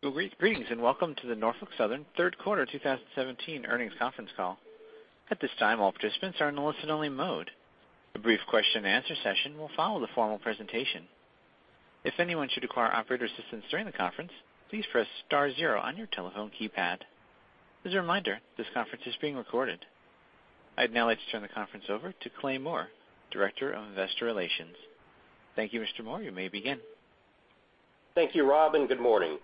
Greetings, and welcome to the Norfolk Southern third quarter 2017 earnings conference call. At this time, all participants are in listen-only mode. A brief question and answer session will follow the formal presentation. If anyone should require operator assistance during the conference, please press star zero on your telephone keypad. As a reminder, this conference is being recorded. I'd now like to turn the conference over to Clay Moore, Director of Investor Relations. Thank you, Mr. Moore. You may begin. Thank you, Rob, and good morning.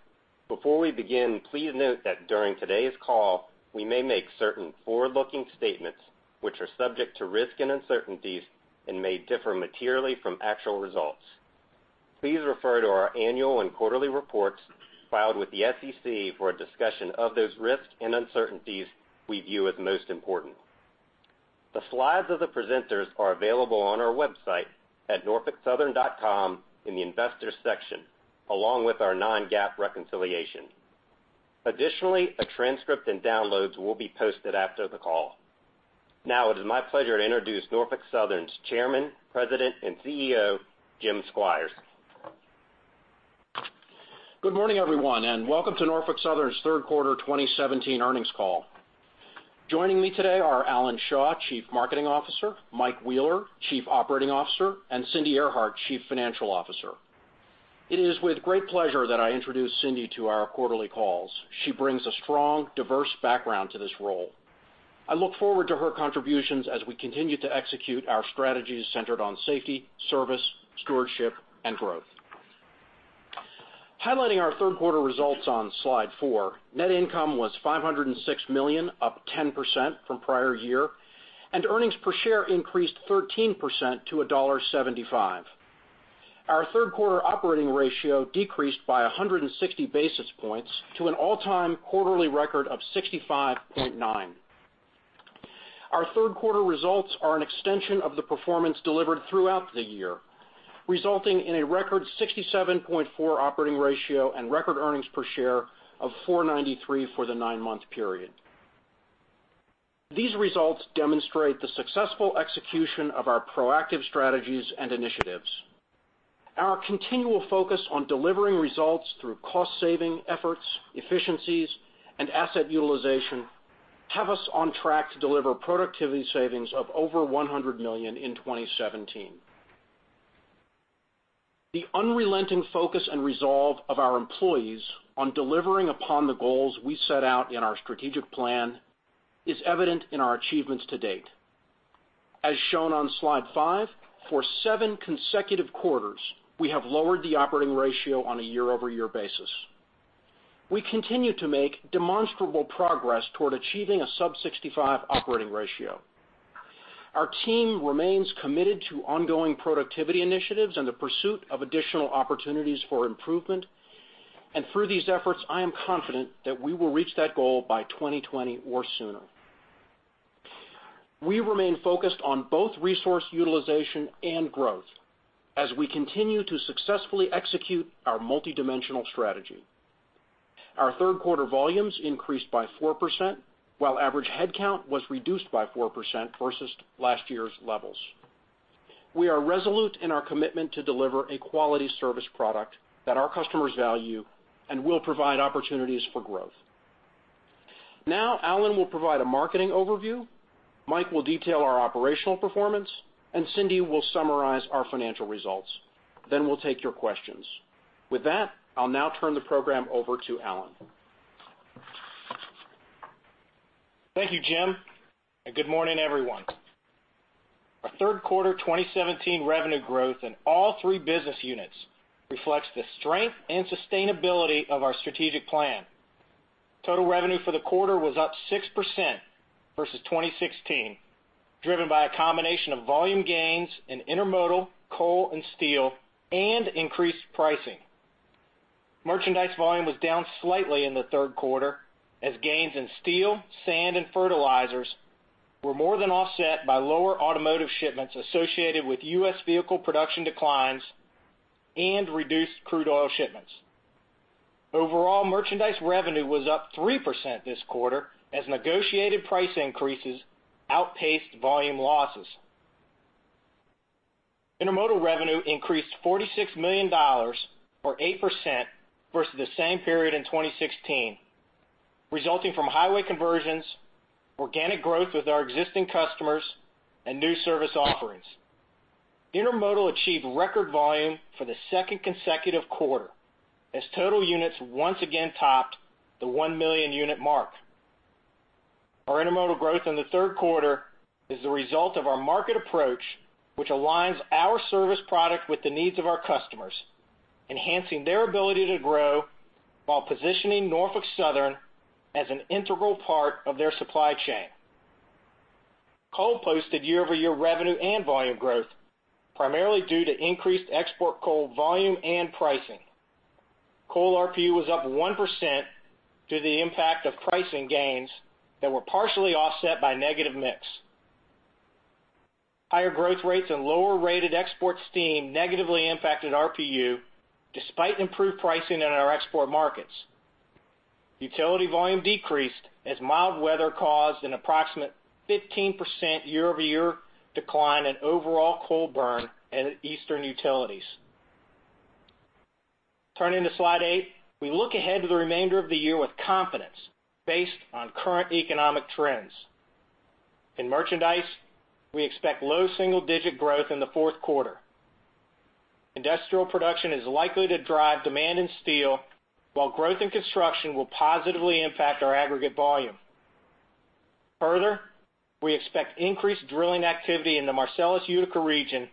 Before we begin, please note that during today's call, we may make certain forward-looking statements which are subject to risk and uncertainties and may differ materially from actual results. Please refer to our annual and quarterly reports filed with the SEC for a discussion of those risks and uncertainties we view as most important. The slides of the presenters are available on our website at norfolksouthern.com in the Investors section, along with our non-GAAP reconciliation. Additionally, a transcript and downloads will be posted after the call. Now, it is my pleasure to introduce Norfolk Southern's Chairman, President, and CEO, Jim Squires. Good morning, everyone, and welcome to Norfolk Southern's third quarter 2017 earnings call. Joining me today are Alan Shaw, Chief Marketing Officer, Mike Wheeler, Chief Operating Officer, and Cindy Earhart, Chief Financial Officer. It is with great pleasure that I introduce Cindy to our quarterly calls. She brings a strong, diverse background to this role. I look forward to her contributions as we continue to execute our strategies centered on safety, service, stewardship, and growth. Highlighting our third quarter results on Slide four, net income was $506 million, up 10% from prior year, and earnings per share increased 13% to $1.75. Our third quarter operating ratio decreased by 160 basis points to an all-time quarterly record of 65.9%. Our third quarter results are an extension of the performance delivered throughout the year, resulting in a record 67.4% operating ratio and record earnings per share of $4.93 for the nine-month period. These results demonstrate the successful execution of our proactive strategies and initiatives. Our continual focus on delivering results through cost-saving efforts, efficiencies, and asset utilization have us on track to deliver productivity savings of over $100 million in 2017. The unrelenting focus and resolve of our employees on delivering upon the goals we set out in our strategic plan is evident in our achievements to date. As shown on Slide five, for seven consecutive quarters, we have lowered the operating ratio on a year-over-year basis. We continue to make demonstrable progress toward achieving a sub 65% operating ratio. Our team remains committed to ongoing productivity initiatives and the pursuit of additional opportunities for improvement. Through these efforts, I am confident that we will reach that goal by 2020 or sooner. We remain focused on both resource utilization and growth as we continue to successfully execute our multidimensional strategy. Our third quarter volumes increased by 4%, while average headcount was reduced by 4% versus last year's levels. We are resolute in our commitment to deliver a quality service product that our customers value and will provide opportunities for growth. Alan will provide a marketing overview, Mike will detail our operational performance, and Cindy will summarize our financial results. We'll take your questions. With that, I'll now turn the program over to Alan. Thank you, Jim, and good morning, everyone. Our third quarter 2017 revenue growth in all three business units reflects the strength and sustainability of our strategic plan. Total revenue for the quarter was up 6% versus 2016, driven by a combination of volume gains in Intermodal, Coal, and steel, and increased pricing. Merchandise volume was down slightly in the third quarter as gains in steel, sand, and fertilizers were more than offset by lower automotive shipments associated with U.S. vehicle production declines and reduced crude oil shipments. Overall, merchandise revenue was up 3% this quarter as negotiated price increases outpaced volume losses. Intermodal revenue increased $46 million, or 8%, versus the same period in 2016, resulting from highway conversions, organic growth with our existing customers, and new service offerings. Intermodal achieved record volume for the second consecutive quarter as total units once again topped the 1 million unit mark. Our Intermodal growth in the third quarter is the result of our market approach, which aligns our service product with the needs of our customers, enhancing their ability to grow while positioning Norfolk Southern as an integral part of their supply chain. Coal posted year-over-year revenue and volume growth, primarily due to increased export coal volume and pricing. Coal RPU was up 1% due to the impact of pricing gains that were partially offset by negative mix. Higher growth rates and lower rated export steam negatively impacted RPU despite improved pricing in our export markets. Utility volume decreased as mild weather caused an approximate 15% year-over-year decline in overall coal burn at Eastern Utilities. Turning to Slide 8, we look ahead to the remainder of the year with confidence based on current economic trends. In merchandise, we expect low double-digit growth in the fourth quarter. Industrial production is likely to drive demand in steel, while growth in construction will positively impact our aggregate volume. We expect increased drilling activity in the Marcellus Utica region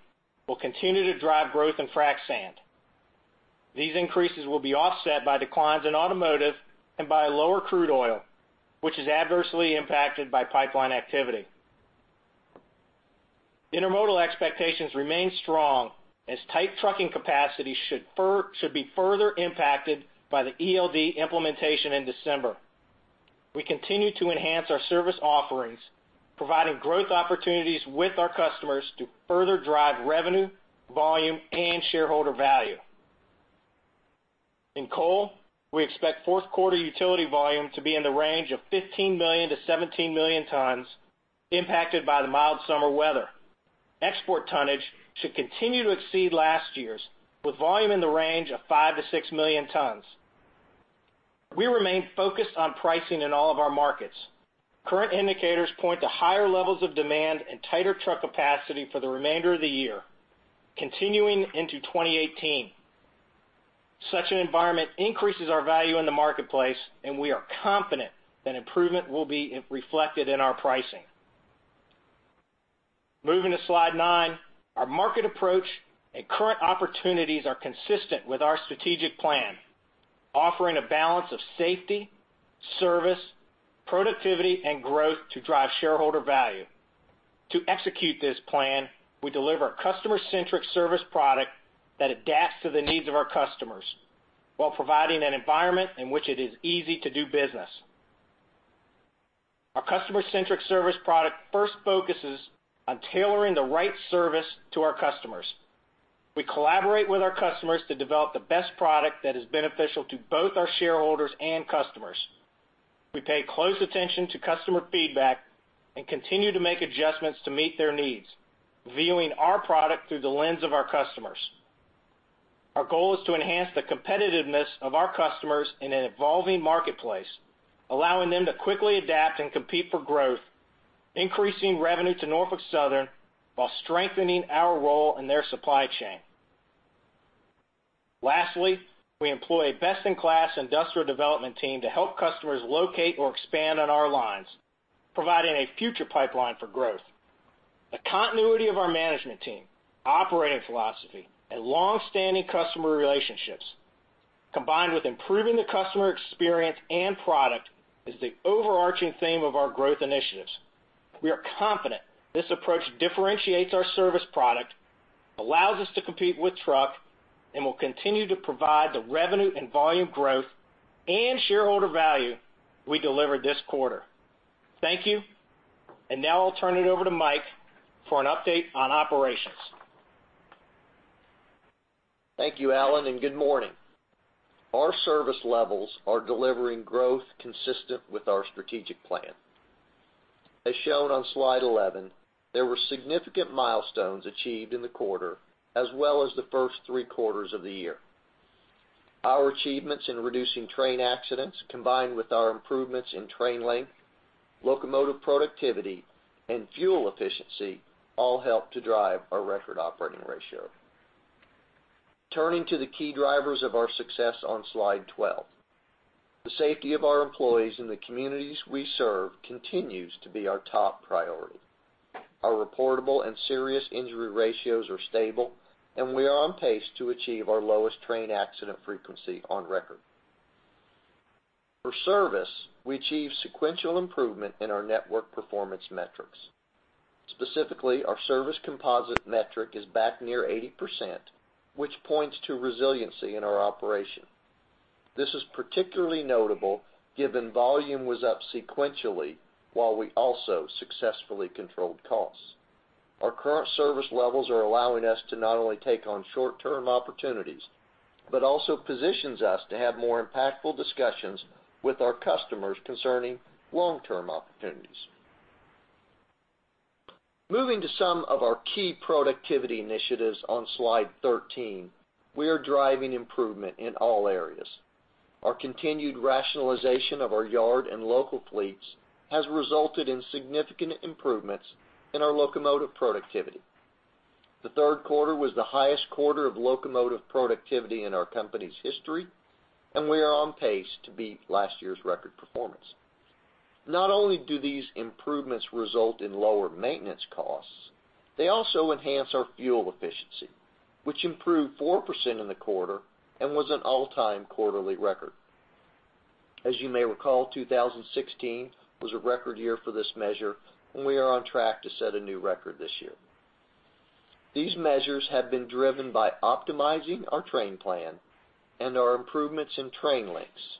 will continue to drive growth in frac sand. These increases will be offset by declines in automotive and by lower crude oil, which is adversely impacted by pipeline activity. Intermodal expectations remain strong as tight trucking capacity should be further impacted by the ELD implementation in December. We continue to enhance our service offerings, providing growth opportunities with our customers to further drive revenue, volume, and shareholder value. In Coal, we expect fourth quarter utility volume to be in the range of 15 million-17 million tons, impacted by the mild summer weather. Export tonnage should continue to exceed last year's, with volume in the range of 5 million-6 million tons. We remain focused on pricing in all of our markets. Current indicators point to higher levels of demand and tighter truck capacity for the remainder of the year, continuing into 2018. Such an environment increases our value in the marketplace. We are confident that improvement will be reflected in our pricing. Moving to Slide nine, our market approach and current opportunities are consistent with our strategic plan, offering a balance of safety, service, productivity, and growth to drive shareholder value. To execute this plan, we deliver a customer-centric service product that adapts to the needs of our customers while providing an environment in which it is easy to do business. Our customer-centric service product first focuses on tailoring the right service to our customers. We collaborate with our customers to develop the best product that is beneficial to both our shareholders and customers. We pay close attention to customer feedback and continue to make adjustments to meet their needs, viewing our product through the lens of our customers. Our goal is to enhance the competitiveness of our customers in an evolving marketplace, allowing them to quickly adapt and compete for growth, increasing revenue to Norfolk Southern while strengthening our role in their supply chain. Lastly, we employ a best-in-class industrial development team to help customers locate or expand on our lines, providing a future pipeline for growth. The continuity of our management team, operating philosophy, and long-standing customer relationships, combined with improving the customer experience and product, is the overarching theme of our growth initiatives. We are confident this approach differentiates our service product, allows us to compete with truck, will continue to provide the revenue and volume growth and shareholder value we delivered this quarter. Thank you. Now I'll turn it over to Mike for an update on operations. Thank you, Alan. Good morning. Our service levels are delivering growth consistent with our strategic plan. As shown on Slide 11, there were significant milestones achieved in the quarter as well as the first three quarters of the year. Our achievements in reducing train accidents, combined with our improvements in train length, locomotive productivity, and fuel efficiency all help to drive our record operating ratio. Turning to the key drivers of our success on Slide 12. The safety of our employees in the communities we serve continues to be our top priority. Our reportable and serious injury ratios are stable. We are on pace to achieve our lowest train accident frequency on record. For service, we achieved sequential improvement in our network performance metrics. Specifically, our service composite metric is back near 80%, which points to resiliency in our operation. This is particularly notable given volume was up sequentially while we also successfully controlled costs. Our current service levels are allowing us to not only take on short-term opportunities, but also positions us to have more impactful discussions with our customers concerning long-term opportunities. Moving to some of our key productivity initiatives on Slide 13, we are driving improvement in all areas. Our continued rationalization of our yard and local fleets has resulted in significant improvements in our locomotive productivity. The third quarter was the highest quarter of locomotive productivity in our company's history, and we are on pace to beat last year's record performance. Not only do these improvements result in lower maintenance costs, they also enhance our fuel efficiency, which improved 4% in the quarter and was an all-time quarterly record. As you may recall, 2016 was a record year for this measure, and we are on track to set a new record this year. These measures have been driven by optimizing our train plan and our improvements in train length,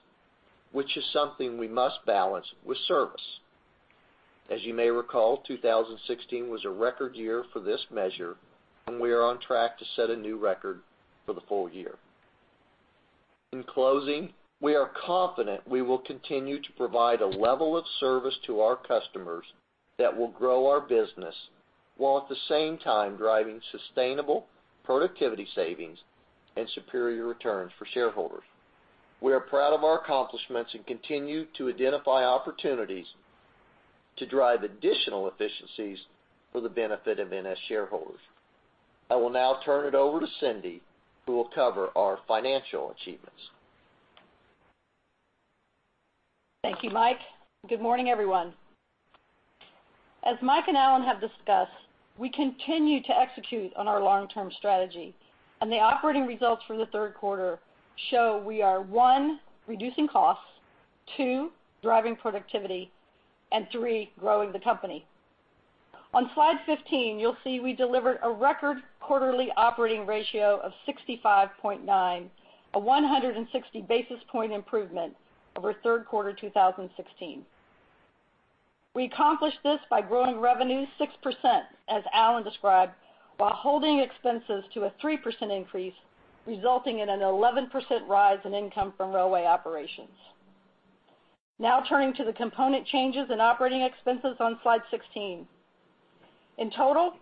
which is something we must balance with service As you may recall, 2016 was a record year for this measure, and we are on track to set a new record for the full year. In closing, we are confident we will continue to provide a level of service to our customers that will grow our business, while at the same time driving sustainable productivity savings and superior returns for shareholders. We are proud of our accomplishments and continue to identify opportunities to drive additional efficiencies for the benefit of NS shareholders. I will now turn it over to Cindy, who will cover our financial achievements. Thank you, Mike. Good morning, everyone. As Mike and Alan have discussed, we continue to execute on our long-term strategy, and the operating results for the third quarter show we are, one, reducing costs, two, driving productivity, and three, growing the company. On Slide 15, you'll see we delivered a record quarterly operating ratio of 65.9, a 160 basis point improvement over third quarter 2016. We accomplished this by growing revenue 6%, as Alan described, while holding expenses to a 3% increase, resulting in an 11% rise in income from railway operations. Turning to the component changes in operating expenses on Slide 16. In total,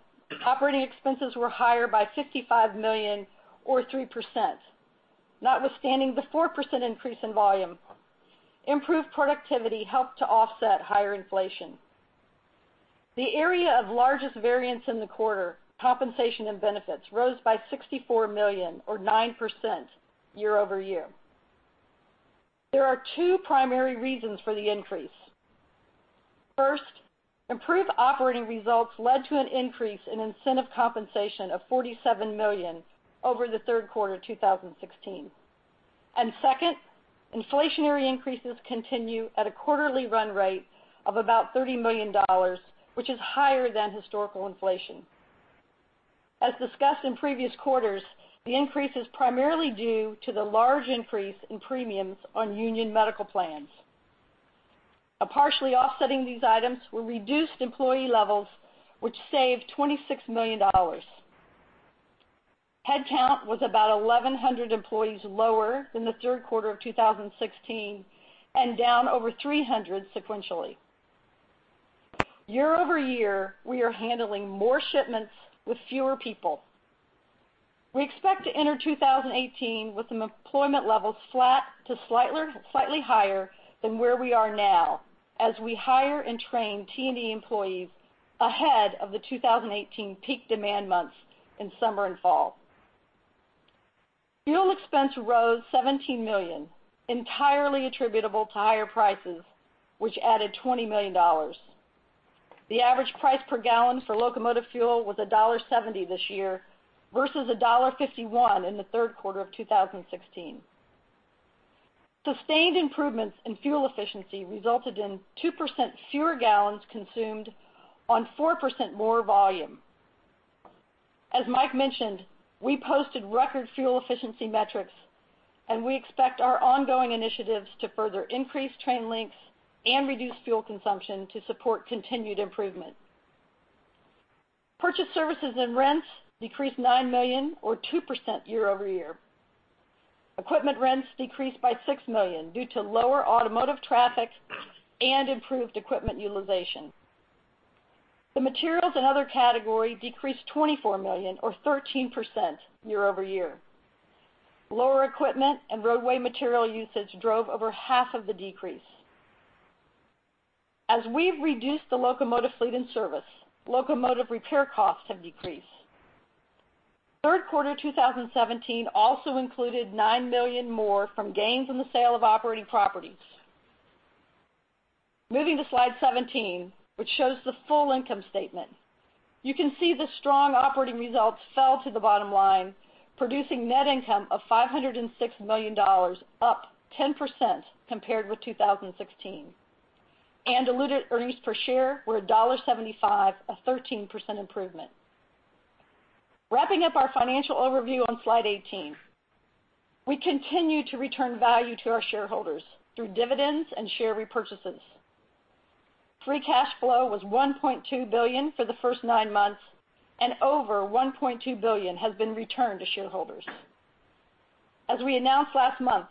operating expenses were higher by $55 million, or 3%. Notwithstanding the 4% increase in volume, improved productivity helped to offset higher inflation. The area of largest variance in the quarter, compensation and benefits, rose by $64 million or 9% year-over-year. There are two primary reasons for the increase. First, improved operating results led to an increase in incentive compensation of $47 million over the third quarter 2016. Second, inflationary increases continue at a quarterly run rate of about $30 million, which is higher than historical inflation. As discussed in previous quarters, the increase is primarily due to the large increase in premiums on union medical plans. Partially offsetting these items were reduced employee levels, which saved $26 million. Headcount was about 1,100 employees lower than the third quarter of 2016, and down over 300 sequentially. Year-over-year, we are handling more shipments with fewer people. We expect to enter 2018 with employment levels flat to slightly higher than where we are now, as we hire and train T&E employees ahead of the 2018 peak demand months in summer and fall. Fuel expense rose $17 million, entirely attributable to higher prices, which added $20 million. The average price per gallon for locomotive fuel was $1.70 this year versus $1.51 in the third quarter of 2016. Sustained improvements in fuel efficiency resulted in 2% fewer gallons consumed on 4% more volume. As Mike mentioned, we posted record fuel efficiency metrics, and we expect our ongoing initiatives to further increase train lengths and reduce fuel consumption to support continued improvement. Purchased services and rents decreased $9 million or 2% year-over-year. Equipment rents decreased by $6 million due to lower automotive traffic and improved equipment utilization. The materials and other category decreased $24 million or 13% year-over-year. Lower equipment and roadway material usage drove over half of the decrease. As we've reduced the locomotive fleet and service, locomotive repair costs have decreased. Third quarter 2017 also included $9 million more from gains in the sale of operating properties. Moving to slide 17, which shows the full income statement. You can see the strong operating results fell to the bottom line, producing net income of $506 million, up 10% compared with 2016. Diluted earnings per share were $1.75, a 13% improvement. Wrapping up our financial overview on slide 18. We continue to return value to our shareholders through dividends and share repurchases. Free cash flow was $1.2 billion for the first nine months, and over $1.2 billion has been returned to shareholders. As we announced last month,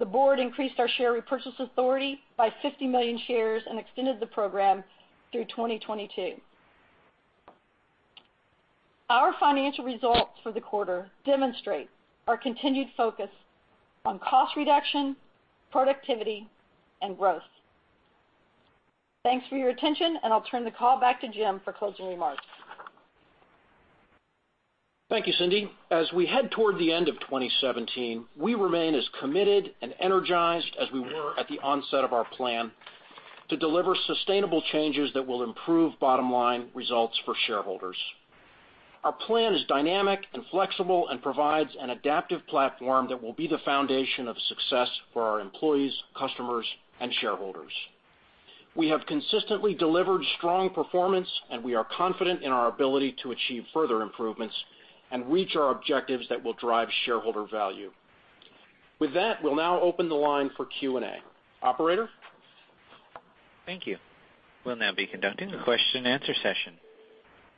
the board increased our share repurchase authority by 50 million shares and extended the program through 2022. Our financial results for the quarter demonstrate our continued focus on cost reduction, productivity, and growth. Thanks for your attention, I'll turn the call back to Jim for closing remarks. Thank you, Cindy. As we head toward the end of 2017, we remain as committed and energized as we were at the onset of our plan to deliver sustainable changes that will improve bottom-line results for shareholders. Our plan is dynamic and flexible and provides an adaptive platform that will be the foundation of success for our employees, customers, and shareholders. We have consistently delivered strong performance, and we are confident in our ability to achieve further improvements and reach our objectives that will drive shareholder value With that, we'll now open the line for Q&A. Operator? Thank you. We'll now be conducting a question and answer session.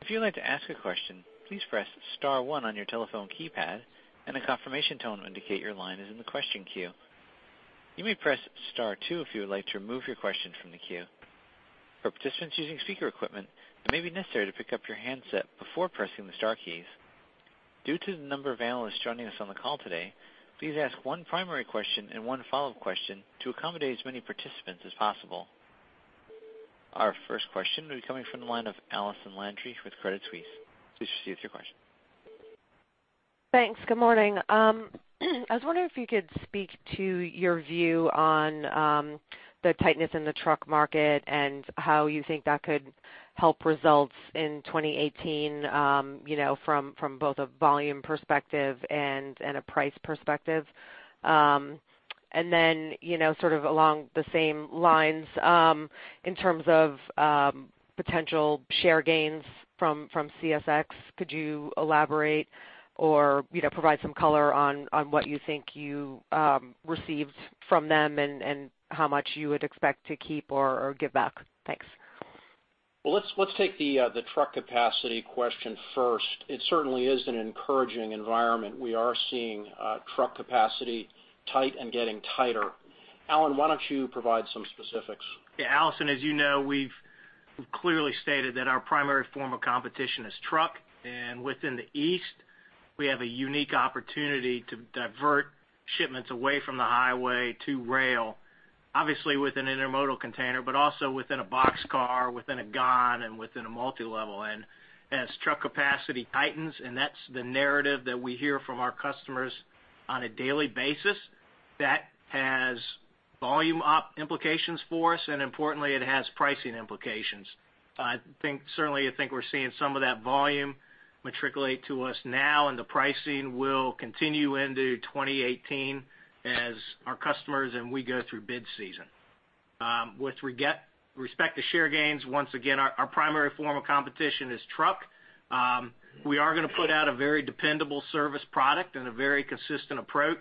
If you would like to ask a question, please press *1 on your telephone keypad, and a confirmation tone will indicate your line is in the question queue. You may press *2 if you would like to remove your question from the queue. For participants using speaker equipment, it may be necessary to pick up your handset before pressing the star keys. Due to the number of analysts joining us on the call today, please ask one primary question and one follow-up question to accommodate as many participants as possible. Our first question will be coming from the line of Allison Landry with Credit Suisse. Please proceed with your question. Thanks. Good morning. I was wondering if you could speak to your view on the tightness in the truck market and how you think that could help results in 2018 from both a volume perspective and a price perspective. Along the same lines, in terms of potential share gains from CSX, could you elaborate or provide some color on what you think you received from them and how much you would expect to keep or give back? Thanks. Let's take the truck capacity question first. It certainly is an encouraging environment. We are seeing truck capacity tight and getting tighter. Alan, why don't you provide some specifics? Allison, as you know, we've clearly stated that our primary form of competition is truck. Within the East, we have a unique opportunity to divert shipments away from the highway to rail, obviously with an intermodal container, but also within a boxcar, within a gon, and within a multilevel. As truck capacity tightens, that's the narrative that we hear from our customers on a daily basis, that has volume up implications for us, and importantly, it has pricing implications. Certainly, I think we're seeing some of that volume matriculate to us now, and the pricing will continue into 2018 as our customers and we go through bid season. With respect to share gains, once again, our primary form of competition is truck. We are going to put out a very dependable service product and a very consistent approach.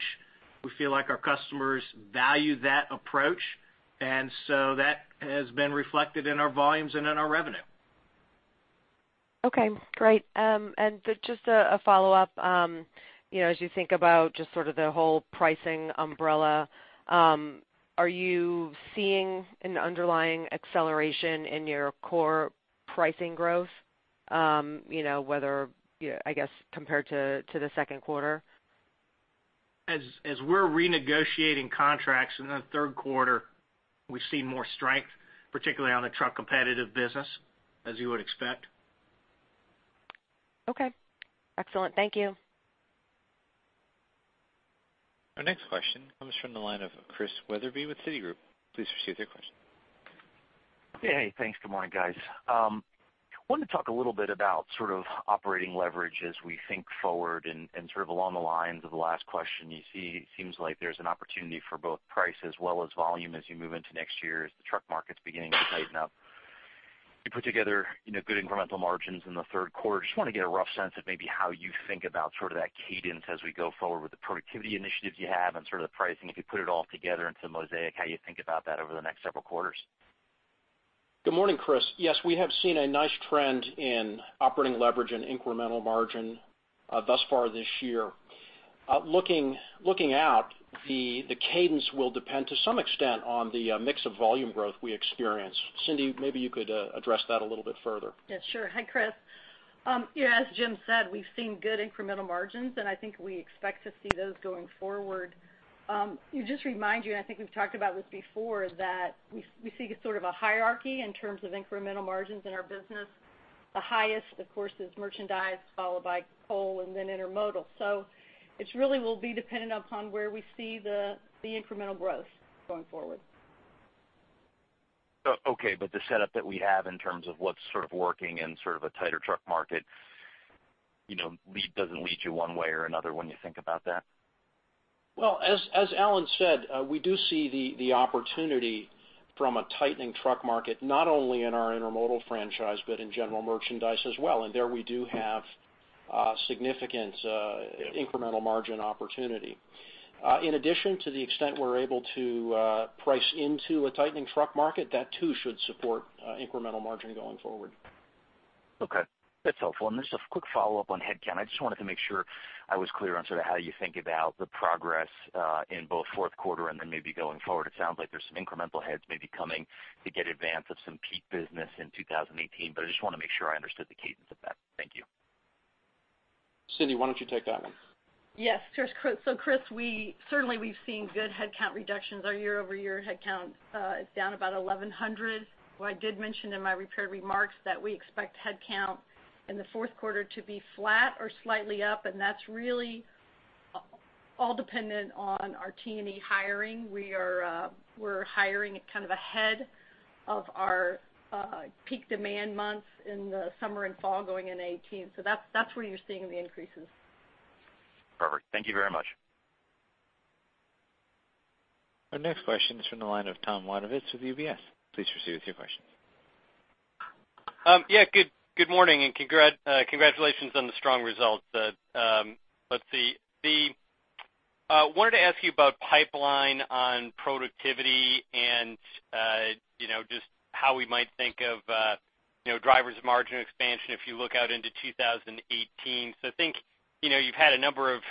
We feel like our customers value that approach. That has been reflected in our volumes and in our revenue. Okay, great. Just a follow-up. As you think about just sort of the whole pricing umbrella, are you seeing an underlying acceleration in your core pricing growth, I guess, compared to the second quarter? As we're renegotiating contracts in the third quarter, we see more strength, particularly on the truck competitive business, as you would expect. Okay. Excellent. Thank you. Our next question comes from the line of Chris Wetherbee with Citigroup. Please proceed with your question. Hey. Thanks. Good morning, guys. I wanted to talk a little bit about sort of operating leverage as we think forward and sort of along the lines of the last question. It seems like there's an opportunity for both price as well as volume as you move into next year as the truck market's beginning to tighten up. You put together good incremental margins in the third quarter. Just want to get a rough sense of maybe how you think about sort of that cadence as we go forward with the productivity initiatives you have and sort of the pricing, if you put it all together into the mosaic, how you think about that over the next several quarters. Good morning, Chris. Yes, we have seen a nice trend in operating leverage and incremental margin thus far this year. Looking out, the cadence will depend to some extent on the mix of volume growth we experience. Cindy, maybe you could address that a little bit further. Yes, sure. Hi, Chris. As Jim said, we've seen good incremental margins, I think we expect to see those going forward. Just to remind you, I think we've talked about this before, that we see sort of a hierarchy in terms of incremental margins in our business. The highest, of course, is merchandise, followed by coal and then Intermodal. It really will be dependent upon where we see the incremental growth going forward. Okay, the setup that we have in terms of what's sort of working in sort of a tighter truck market, doesn't lead you one way or another when you think about that? Well, as Alan said, we do see the opportunity from a tightening truck market, not only in our Intermodal franchise, but in general merchandise as well. There, we do have significant incremental margin opportunity. In addition to the extent we're able to price into a tightening truck market, that too should support incremental margin going forward. Okay, that's helpful. Just a quick follow-up on headcount. I just wanted to make sure I was clear on sort of how you think about the progress in both fourth quarter and then maybe going forward. It sounds like there's some incremental heads maybe coming to get advance of some peak business in 2018, I just want to make sure I understood the cadence of that. Thank you. Cindy, why don't you take that one? Yes. Sure. Chris, certainly, we've seen good headcount reductions. Our year-over-year headcount is down about 1,100. What I did mention in my prepared remarks that we expect headcount in the fourth quarter to be flat or slightly up, that's really all dependent on our T&E hiring. We're hiring kind of ahead of our peak demand months in the summer and fall going into 2018. That's where you're seeing the increases. Perfect. Thank you very much. Our next question is from the line of Thomas Wadewitz with UBS. Please proceed with your question. Yeah. Good morning. Congratulations on the strong results. Let's see. Wanted to ask you about pipeline on productivity and just how we might think of drivers of margin expansion if you look out into 2018. I think you've had a number of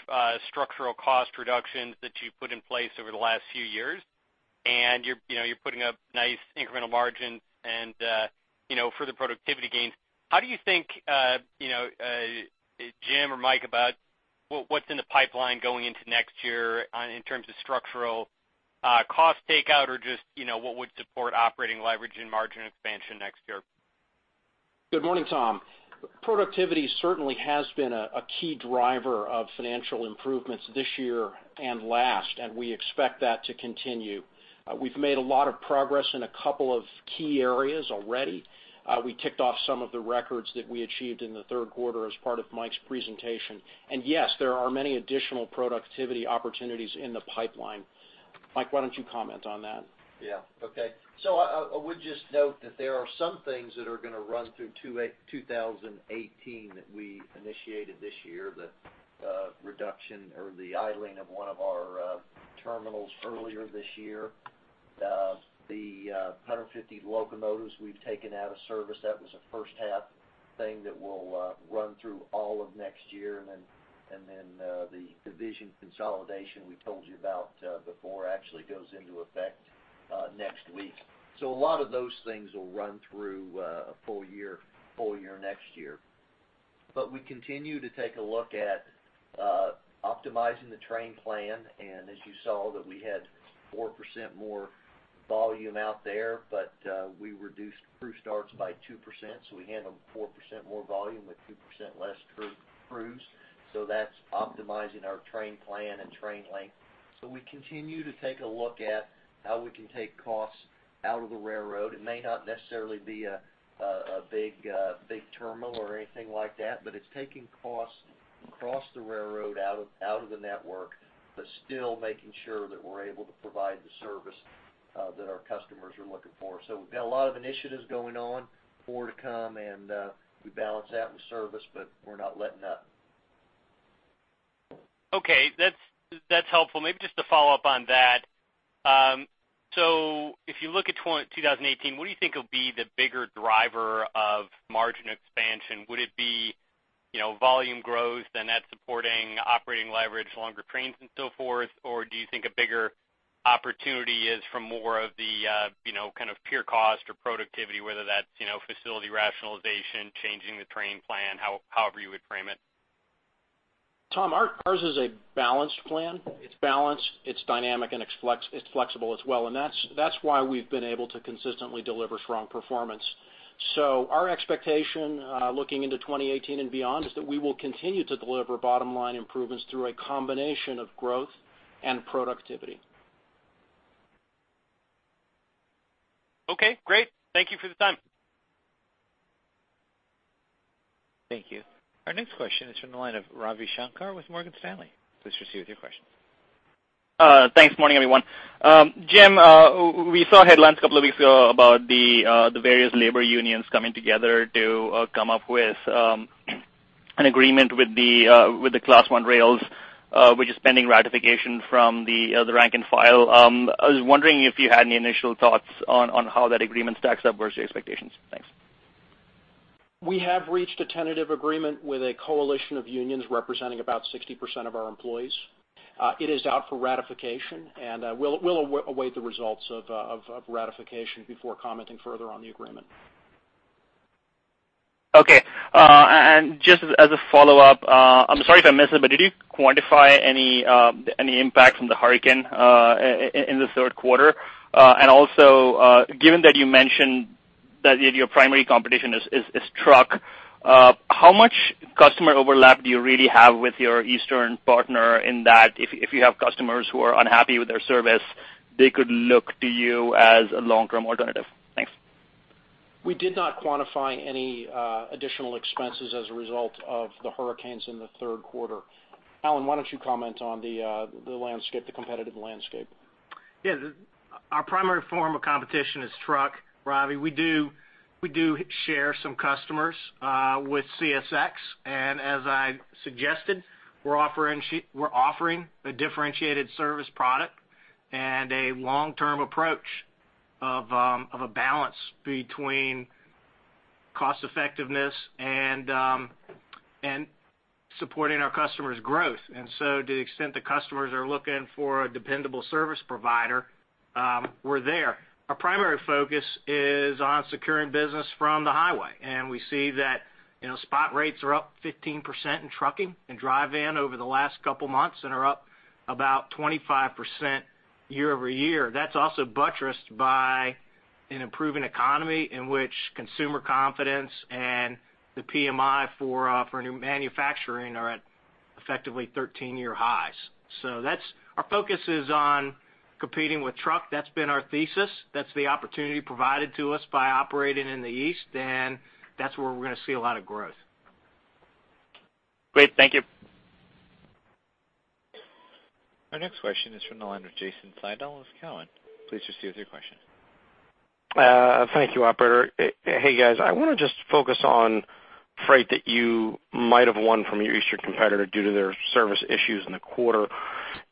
structural cost reductions that you've put in place over the last few years, and you're putting up nice incremental margins and further productivity gains. How do you think, Jim or Mike, about what's in the pipeline going into next year in terms of structural cost takeout or just what would support operating leverage and margin expansion next year? Good morning, Tom. Productivity certainly has been a key driver of financial improvements this year and last, and we expect that to continue. We've made a lot of progress in a couple of key areas already. We ticked off some of the records that we achieved in the third quarter as part of Mike's presentation. Yes, there are many additional productivity opportunities in the pipeline. Mike, why don't you comment on that? Yeah. Okay. I would just note that there are some things that are going to run through 2018 that we initiated this year, the reduction or the idling of one of our terminals earlier this year. The 150 locomotives we've taken out of service, that was a first-half thing that will run through all of next year. The division consolidation we told you about before actually goes into effect next week. A lot of those things will run through a full year next year. We continue to take a look at optimizing the train plan and as you saw that we had 4% more volume out there, but we reduced crew starts by 2%, so we handled 4% more volume with 2% less crews. That's optimizing our train plan and train length. We continue to take a look at how we can take costs out of the railroad. It may not necessarily be a big terminal or anything like that, but it's taking costs across the railroad out of the network, but still making sure that we're able to provide the service that our customers are looking for. We've got a lot of initiatives going on, more to come, and we balance that with service, but we're not letting up. Okay. That's helpful. Maybe just to follow up on that. If you look at 2018, what do you think will be the bigger driver of margin expansion? Would it be volume growth and that supporting operating leverage, longer trains and so forth, or do you think a bigger opportunity is for more of the kind of pure cost or productivity, whether that's facility rationalization, changing the train plan, however you would frame it? Tom, ours is a balanced plan. It's balanced, it's dynamic, and it's flexible as well, and that's why we've been able to consistently deliver strong performance. Our expectation, looking into 2018 and beyond, is that we will continue to deliver bottom-line improvements through a combination of growth and productivity. Okay, great. Thank you for the time. Thank you. Our next question is from the line of Ravi Shanker with Morgan Stanley. Please proceed with your question. Thanks. Morning, everyone. Jim, we saw headlines a couple of weeks ago about the various labor unions coming together to come up with an agreement with the Class I rails, which is pending ratification from the rank and file. I was wondering if you had any initial thoughts on how that agreement stacks up versus your expectations. Thanks. We have reached a tentative agreement with a coalition of unions representing about 60% of our employees. It is out for ratification, and we'll await the results of ratification before commenting further on the agreement. Okay. Just as a follow-up, I'm sorry if I missed it, but did you quantify any impact from the hurricane in the third quarter? Also, given that you mentioned that your primary competition is truck, how much customer overlap do you really have with your eastern partner in that if you have customers who are unhappy with their service, they could look to you as a long-term alternative? Thanks. We did not quantify any additional expenses as a result of the hurricanes in the third quarter. Alan, why don't you comment on the competitive landscape? Yeah. Our primary form of competition is truck, Ravi. We do share some customers with CSX, and as I suggested, we're offering a differentiated service product and a long-term approach of a balance between cost effectiveness and supporting our customers' growth. To the extent that customers are looking for a dependable service provider, we're there. Our primary focus is on securing business from the highway, and we see that spot rates are up 15% in trucking and dry van over the last couple of months and are up about 25% year-over-year. That's also buttressed by an improving economy in which consumer confidence and the PMI for new manufacturing are at effectively 13-year highs. Our focus is on competing with truck. That's been our thesis. That's the opportunity provided to us by operating in the East, and that's where we're going to see a lot of growth. Great. Thank you. Our next question is from the line of Jason Seidl with Cowen. Please proceed with your question. Thank you, operator. Hey, guys. I want to just focus on freight that you might have won from your eastern competitor due to their service issues in the quarter.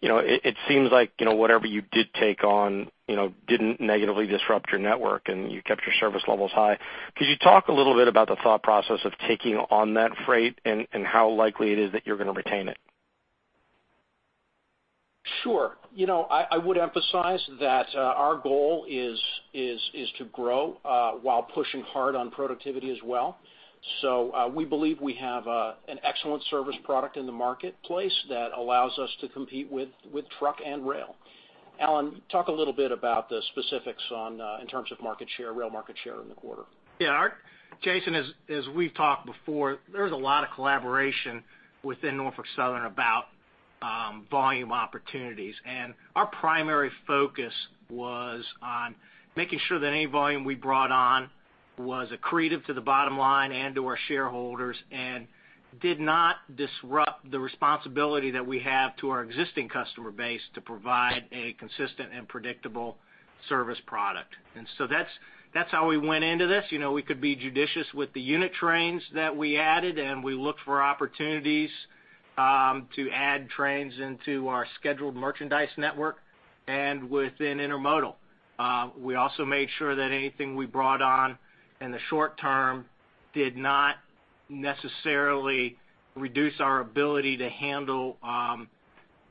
It seems like whatever you did take on, didn't negatively disrupt your network and you kept your service levels high. Could you talk a little bit about the thought process of taking on that freight and how likely it is that you're going to retain it? Sure. I would emphasize that our goal is to grow while pushing hard on productivity as well. We believe we have an excellent service product in the marketplace that allows us to compete with truck and rail. Alan, talk a little bit about the specifics in terms of market share, rail market share in the quarter. Yeah, Jason, as we've talked before, there's a lot of collaboration within Norfolk Southern about volume opportunities. Our primary focus was on making sure that any volume we brought on was accretive to the bottom line and to our shareholders, and did not disrupt the responsibility that we have to our existing customer base to provide a consistent and predictable service product. That's how we went into this. We could be judicious with the unit trains that we added, and we looked for opportunities to add trains into our scheduled merchandise network and within Intermodal. We also made sure that anything we brought on in the short term did not necessarily reduce our ability to handle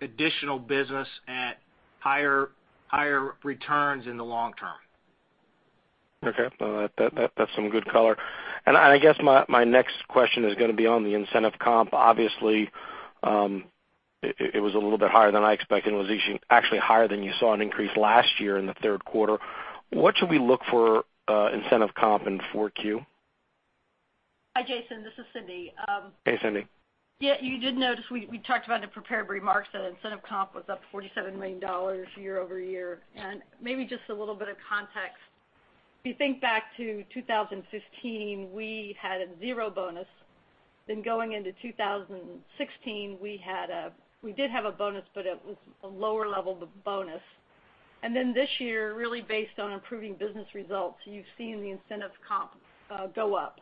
additional business at higher returns in the long term. Okay. That's some good color. I guess my next question is going to be on the incentive comp. Obviously, it was a little bit higher than I expected, and it was actually higher than you saw an increase last year in the third quarter. What should we look for incentive comp in 4Q? Hi, Jason, this is Cindy. Hey, Cindy. Yeah, you did notice we talked about in the prepared remarks that incentive comp was up $47 million year-over-year. Maybe just a little bit of context, if you think back to 2015, we had a zero bonus. Going into 2016, we did have a bonus, but it was a lower level of bonus. This year, really based on improving business results, you've seen the incentive comp go up.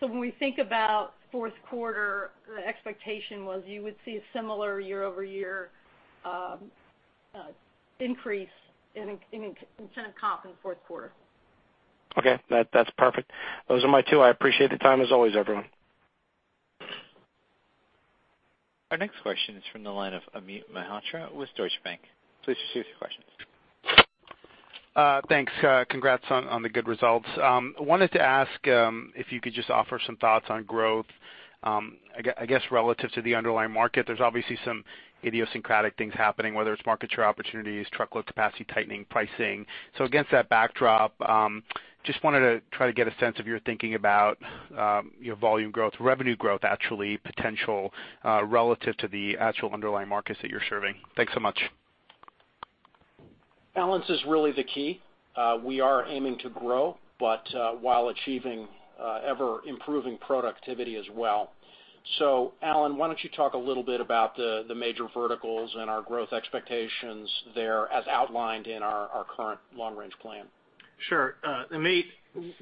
When we think about fourth quarter, the expectation was you would see a similar year-over-year increase in incentive comp in the fourth quarter. Okay. That's perfect. Those are my two. I appreciate the time as always, everyone. Our next question is from the line of Amit Mehrotra with Deutsche Bank. Please proceed with your question. Thanks. Congrats on the good results. I wanted to ask if you could just offer some thoughts on growth, I guess, relative to the underlying market. There's obviously some idiosyncratic things happening, whether it's market share opportunities, truckload capacity tightening, pricing. Against that backdrop, just wanted to try to get a sense of your thinking about your volume growth, revenue growth actually potential, relative to the actual underlying markets that you're serving. Thanks so much. Balance is really the key. We are aiming to grow, but while achieving ever-improving productivity as well. Alan, why don't you talk a little bit about the major verticals and our growth expectations there as outlined in our current long range plan? Sure. Amit,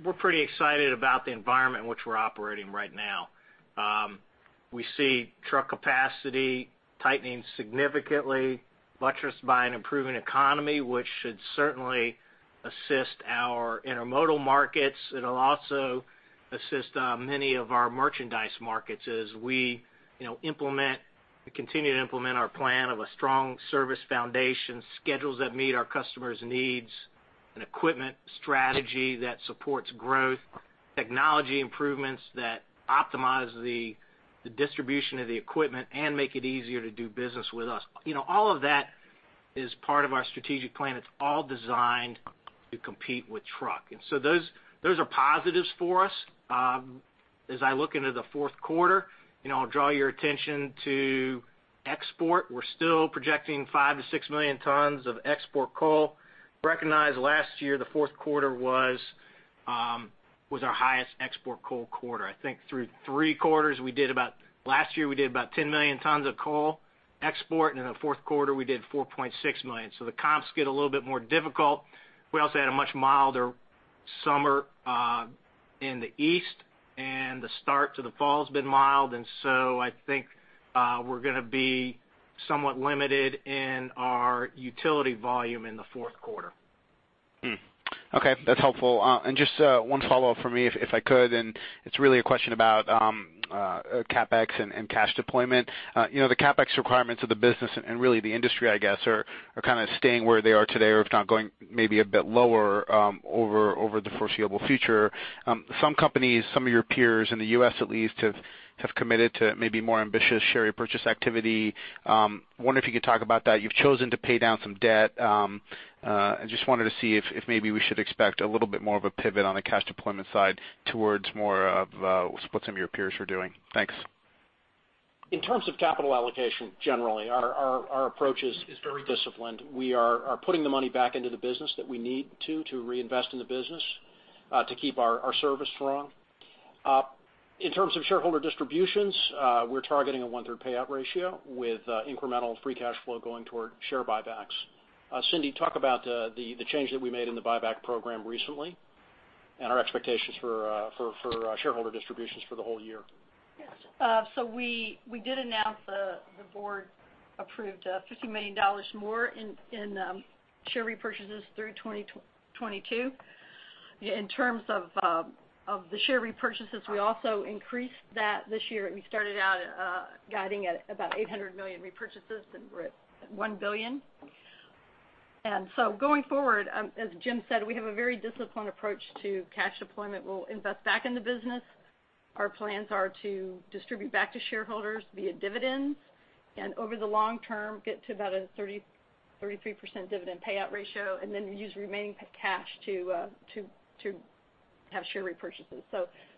we're pretty excited about the environment in which we're operating right now. We see truck capacity tightening significantly, buttressed by an improving economy, which should certainly assist our intermodal markets. It'll also assist many of our merchandise markets as we continue to implement our plan of a strong service foundation, schedules that meet our customers' needs, an equipment strategy that supports growth, technology improvements that optimize the distribution of the equipment and make it easier to do business with us. All of that is part of our strategic plan. It's all designed to compete with truck. Those are positives for us. As I look into the fourth quarter, I'll draw your attention to export. We're still projecting five to six million tons of export coal. Recognize last year, the fourth quarter was our highest export coal quarter. I think through three quarters, last year we did about 10 million tons of coal export. In the fourth quarter, we did 4.6 million. The comps get a little bit more difficult. We also had a much milder summer in the East. The start to the fall has been mild. I think we're going to be somewhat limited in our utility volume in the fourth quarter. Okay. That's helpful. Just one follow-up from me, if I could. It's really a question about CapEx and cash deployment. The CapEx requirements of the business and really the industry, I guess, are kind of staying where they are today, or if not going maybe a bit lower over the foreseeable future. Some companies, some of your peers in the U.S. at least, have committed to maybe more ambitious share repurchase activity. Wondering if you could talk about that. You've chosen to pay down some debt. I just wanted to see if maybe we should expect a little bit more of a pivot on the cash deployment side towards more of what some of your peers are doing. Thanks. In terms of capital allocation, generally, our approach is very disciplined. We are putting the money back into the business that we need to reinvest in the business to keep our service strong. In terms of shareholder distributions, we're targeting a one-third payout ratio with incremental free cash flow going toward share buybacks. Cindy, talk about the change that we made in the buyback program recently and our expectations for shareholder distributions for the whole year. Yes. We did announce the board approved $50 million more shares repurchases through 2022. In terms of the share repurchases, we also increased that this year. We started out guiding at about $800 million repurchases, and we're at $1 billion. Going forward, as Jim said, we have a very disciplined approach to cash deployment. We'll invest back in the business. Our plans are to distribute back to shareholders via dividends, and over the long term, get to about a 33% dividend payout ratio, use remaining cash to have share repurchases.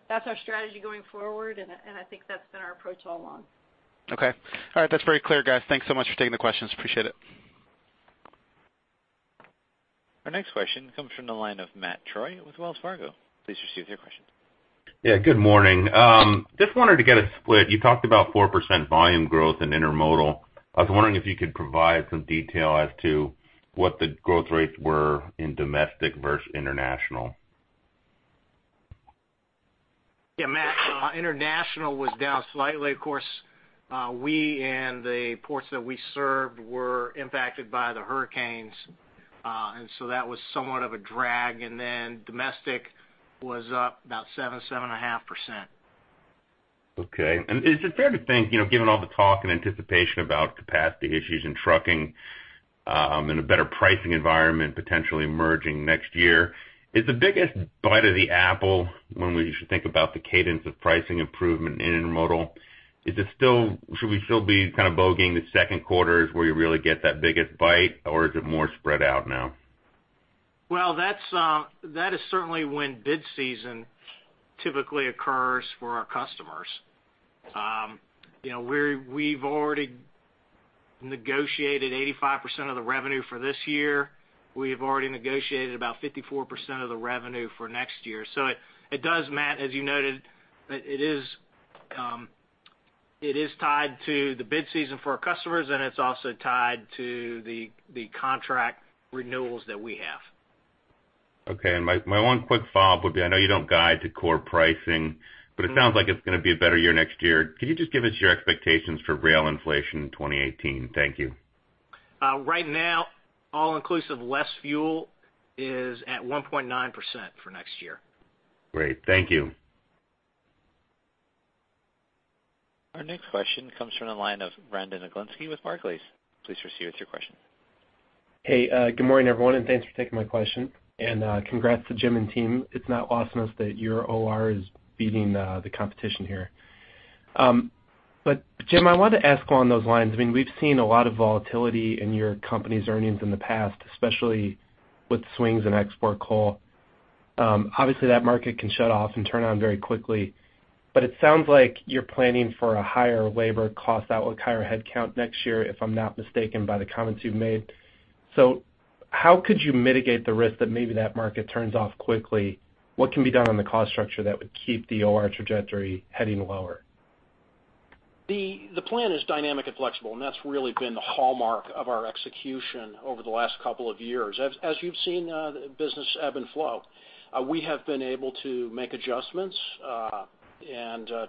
That's our strategy going forward, and I think that's been our approach all along. Okay. All right. That's very clear, guys. Thanks so much for taking the questions. Appreciate it. Our next question comes from the line of Matthew Troy with Wells Fargo. Please proceed with your question. Yeah, good morning. Just wanted to get a split. You talked about 4% volume growth in Intermodal. I was wondering if you could provide some detail as to what the growth rates were in domestic versus international. Yeah, Matt, international was down slightly. Of course, we and the ports that we served were impacted by the hurricanes, that was somewhat of a drag. Domestic was up about seven to 7.5%. Okay. Is it fair to think, given all the talk and anticipation about capacity issues in trucking, and a better pricing environment potentially emerging next year, is the biggest bite of the apple when we should think about the cadence of pricing improvement in Intermodal, should we still be kind of bogeying the second quarters where you really get that biggest bite, or is it more spread out now? Well, that is certainly when bid season typically occurs for our customers. We've already negotiated 85% of the revenue for this year. We've already negotiated about 54% of the revenue for next year. It does, Matt, as you noted, it is tied to the bid season for our customers, and it's also tied to the contract renewals that we have. Okay. My one quick follow-up would be, I know you don't guide to core pricing, but it sounds like it's going to be a better year next year. Could you just give us your expectations for rail inflation in 2018? Thank you. Right now, all inclusive, less fuel, is at 1.9% for next year. Great. Thank you. Our next question comes from the line of Brandon Oglenski with Barclays. Please proceed with your question. Hey, good morning, everyone, thanks for taking my question. Congrats to Jim and team. It's not awesome that your OR is beating the competition here. Jim, I wanted to ask along those lines. We've seen a lot of volatility in your company's earnings in the past, especially with swings in export coal. Obviously, that market can shut off and turn on very quickly, but it sounds like you're planning for a higher labor cost out with higher headcount next year, if I'm not mistaken by the comments you've made. How could you mitigate the risk that maybe that market turns off quickly? What can be done on the cost structure that would keep the OR trajectory heading lower? The plan is dynamic and flexible, That's really been the hallmark of our execution over the last couple of years. As you've seen the business ebb and flow, we have been able to make adjustments,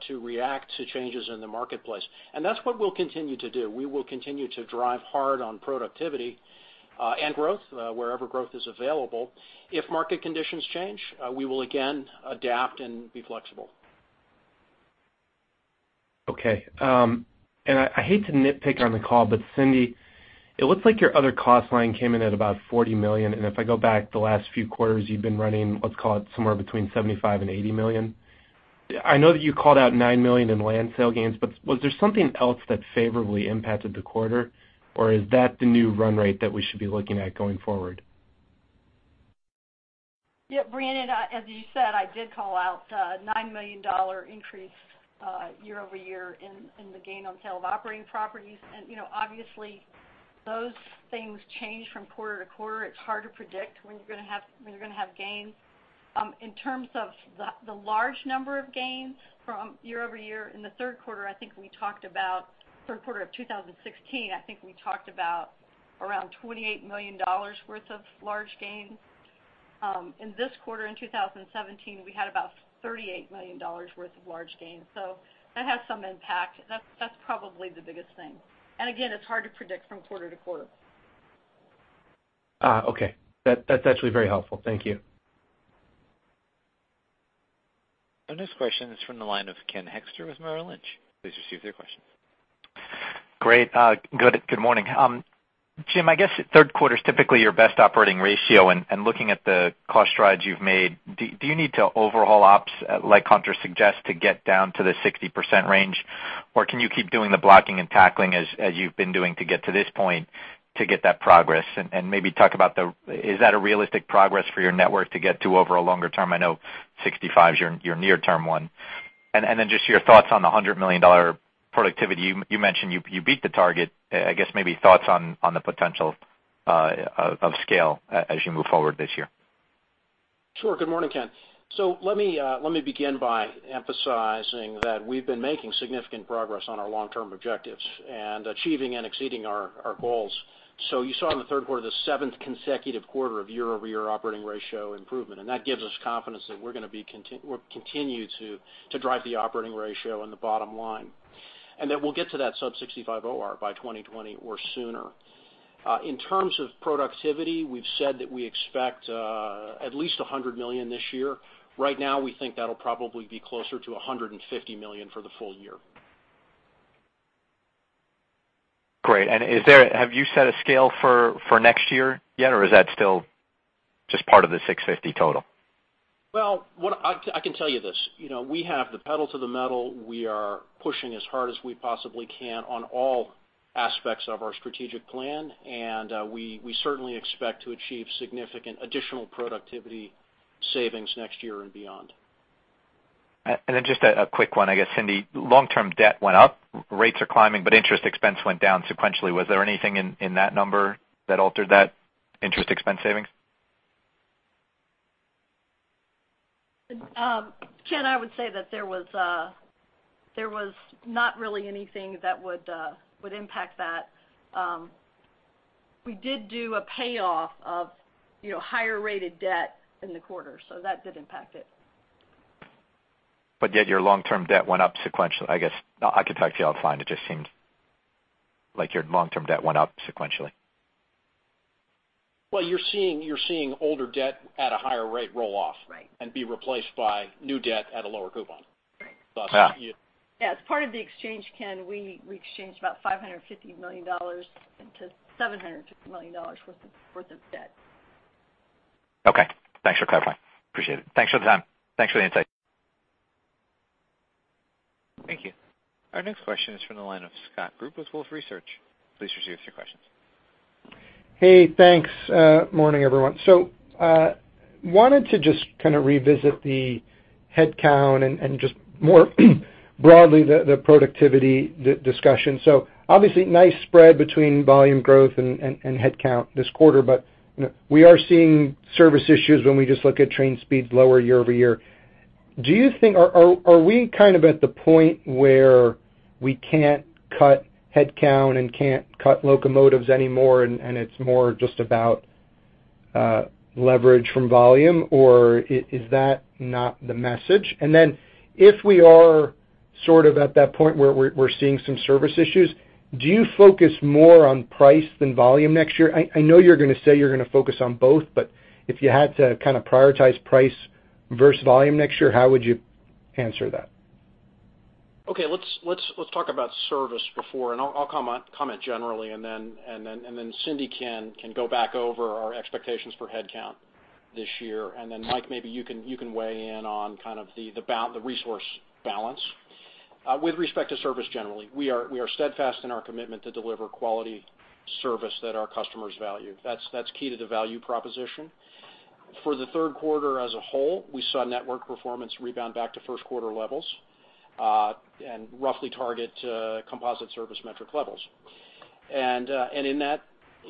to react to changes in the marketplace. That's what we'll continue to do. We will continue to drive hard on productivity, growth, wherever growth is available. If market conditions change, we will again adapt and be flexible. Okay. I hate to nitpick on the call, Cindy, it looks like your other cost line came in at about $40 million, if I go back the last few quarters, you've been running, let's call it somewhere between $75 million and $80 million. I know that you called out $9 million in land sale gains, Was there something else that favorably impacted the quarter, or is that the new run rate that we should be looking at going forward? Brandon, as you said, I did call out a $9 million increase year-over-year in the gain on sale of operating properties. Obviously, those things change from quarter to quarter. It's hard to predict when you're going to have gains. In terms of the large number of gains from year-over-year in the third quarter of 2016, I think we talked about around $28 million worth of large gains. In this quarter in 2017, we had about $38 million worth of large gains. That has some impact. That's probably the biggest thing. Again, it's hard to predict from quarter to quarter. Okay. That's actually very helpful. Thank you. Our next question is from the line of Ken Hoexter with Merrill Lynch. Please proceed with your question. Great. Good morning. Jim, I guess third quarter's typically your best operating ratio, looking at the cost strides you've made, do you need to overhaul ops, like Hunter suggests, to get down to the 60% range, or can you keep doing the blocking and tackling as you've been doing to get to this point to get that progress? Maybe talk about, is that a realistic progress for your network to get to over a longer term? I know 65 is your near-term one. Then just your thoughts on the $100 million productivity. You mentioned you beat the target. I guess maybe thoughts on the potential of scale as you move forward this year. Sure. Good morning, Ken. Let me begin by emphasizing that we've been making significant progress on our long-term objectives and achieving and exceeding our goals. You saw in the third quarter, the seventh consecutive quarter of year-over-year operating ratio improvement, that gives us confidence that we're going to continue to drive the operating ratio in the bottom line, and that we'll get to that sub-65 OR by 2020 or sooner. In terms of productivity, we've said that we expect at least $100 million this year. Right now, we think that'll probably be closer to $150 million for the full year. Great. Have you set a scale for next year yet, or is that still just part of the $650 million total? Well, I can tell you this. We have the pedal to the metal. We are pushing as hard as we possibly can on all aspects of our strategic plan, and we certainly expect to achieve significant additional productivity savings next year and beyond. Just a quick one, I guess, Cindy, long-term debt went up, rates are climbing, interest expense went down sequentially. Was there anything in that number that altered that interest expense savings? Ken, I would say that there was not really anything that would impact that. We did do a payoff of higher-rate debt in the quarter, that did impact it. Your long-term debt went up sequentially. I guess, it just seemed like your long-term debt went up sequentially. Well, you're seeing older debt at a higher rate roll off. Right. Be replaced by new debt at a lower coupon. Right. Yeah. Yeah. As part of the exchange, Ken, we exchanged about $550 million into $750 million worth of debt. Okay. Thanks for clarifying. Appreciate it. Thanks for the time. Thanks for the insight. Thank you. Our next question is from the line of Scott Group with Wolfe Research. Please proceed with your questions. Hey, thanks. Morning, everyone. Wanted to just kind of revisit the headcount and just more broadly, the productivity discussion. Obviously, nice spread between volume growth and headcount this quarter, but we are seeing service issues when we just look at train speeds lower year-over-year. Are we kind of at the point where we can't cut headcount and can't cut locomotives anymore and it's more just about leverage from volume, or is that not the message? If we are sort of at that point where we're seeing some service issues, do you focus more on price than volume next year? I know you're going to say you're going to focus on both, but if you had to kind of prioritize price versus volume next year, how would you answer that? Okay, let's talk about service before, and I'll comment generally, and then Cindy can go back over our expectations for headcount this year. Mike, maybe you can weigh in on kind of the resource balance. With respect to service, generally, we are steadfast in our commitment to deliver quality service that our customers value. That's key to the value proposition. For the third quarter as a whole, we saw network performance rebound back to first quarter levels, and roughly target composite service metric levels.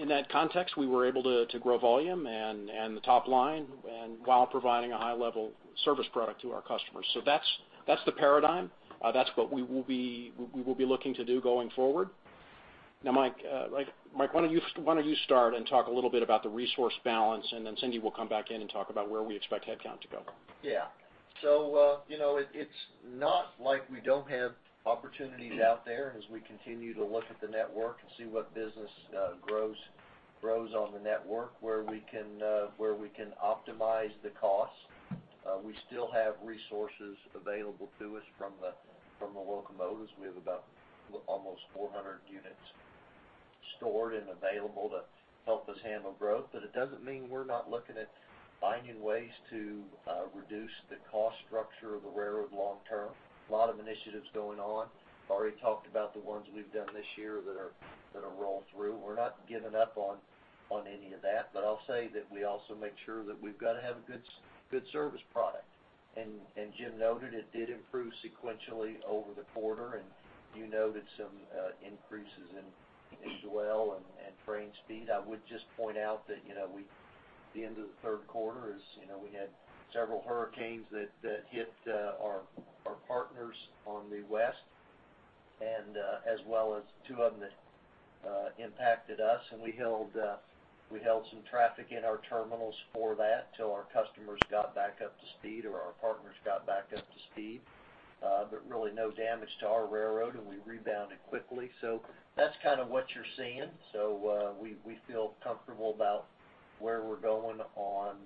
In that context, we were able to grow volume and the top line while providing a high-level service product to our customers. That's the paradigm. That's what we will be looking to do going forward. Now, Mike why don't you start and talk a little bit about the resource balance, and then Cindy will come back in and talk about where we expect headcount to go. It's not like we don't have opportunities out there as we continue to look at the network and see what business grows on the network, where we can optimize the cost. We still have resources available to us from the locomotives. We have about almost 400 units stored and available to help us handle growth, but it doesn't mean we're not looking at finding ways to reduce the cost structure of the railroad long term. A lot of initiatives going on. I already talked about the ones we've done this year that are rolled through. We're not giving up on any of that, but I'll say that we also make sure that we've got to have a good service product. Jim noted it did improve sequentially over the quarter, and you noted some increases in fuel and train speed. I would just point out that the end of the third quarter, we had several hurricanes that hit our partners on the west, as well as two of them that impacted us, and we held some traffic in our terminals for that till our customers got back up to speed or our partners got back up to speed. Really no damage to our railroad, and we rebounded quickly. That's kind of what you're seeing. We feel comfortable about where we're going on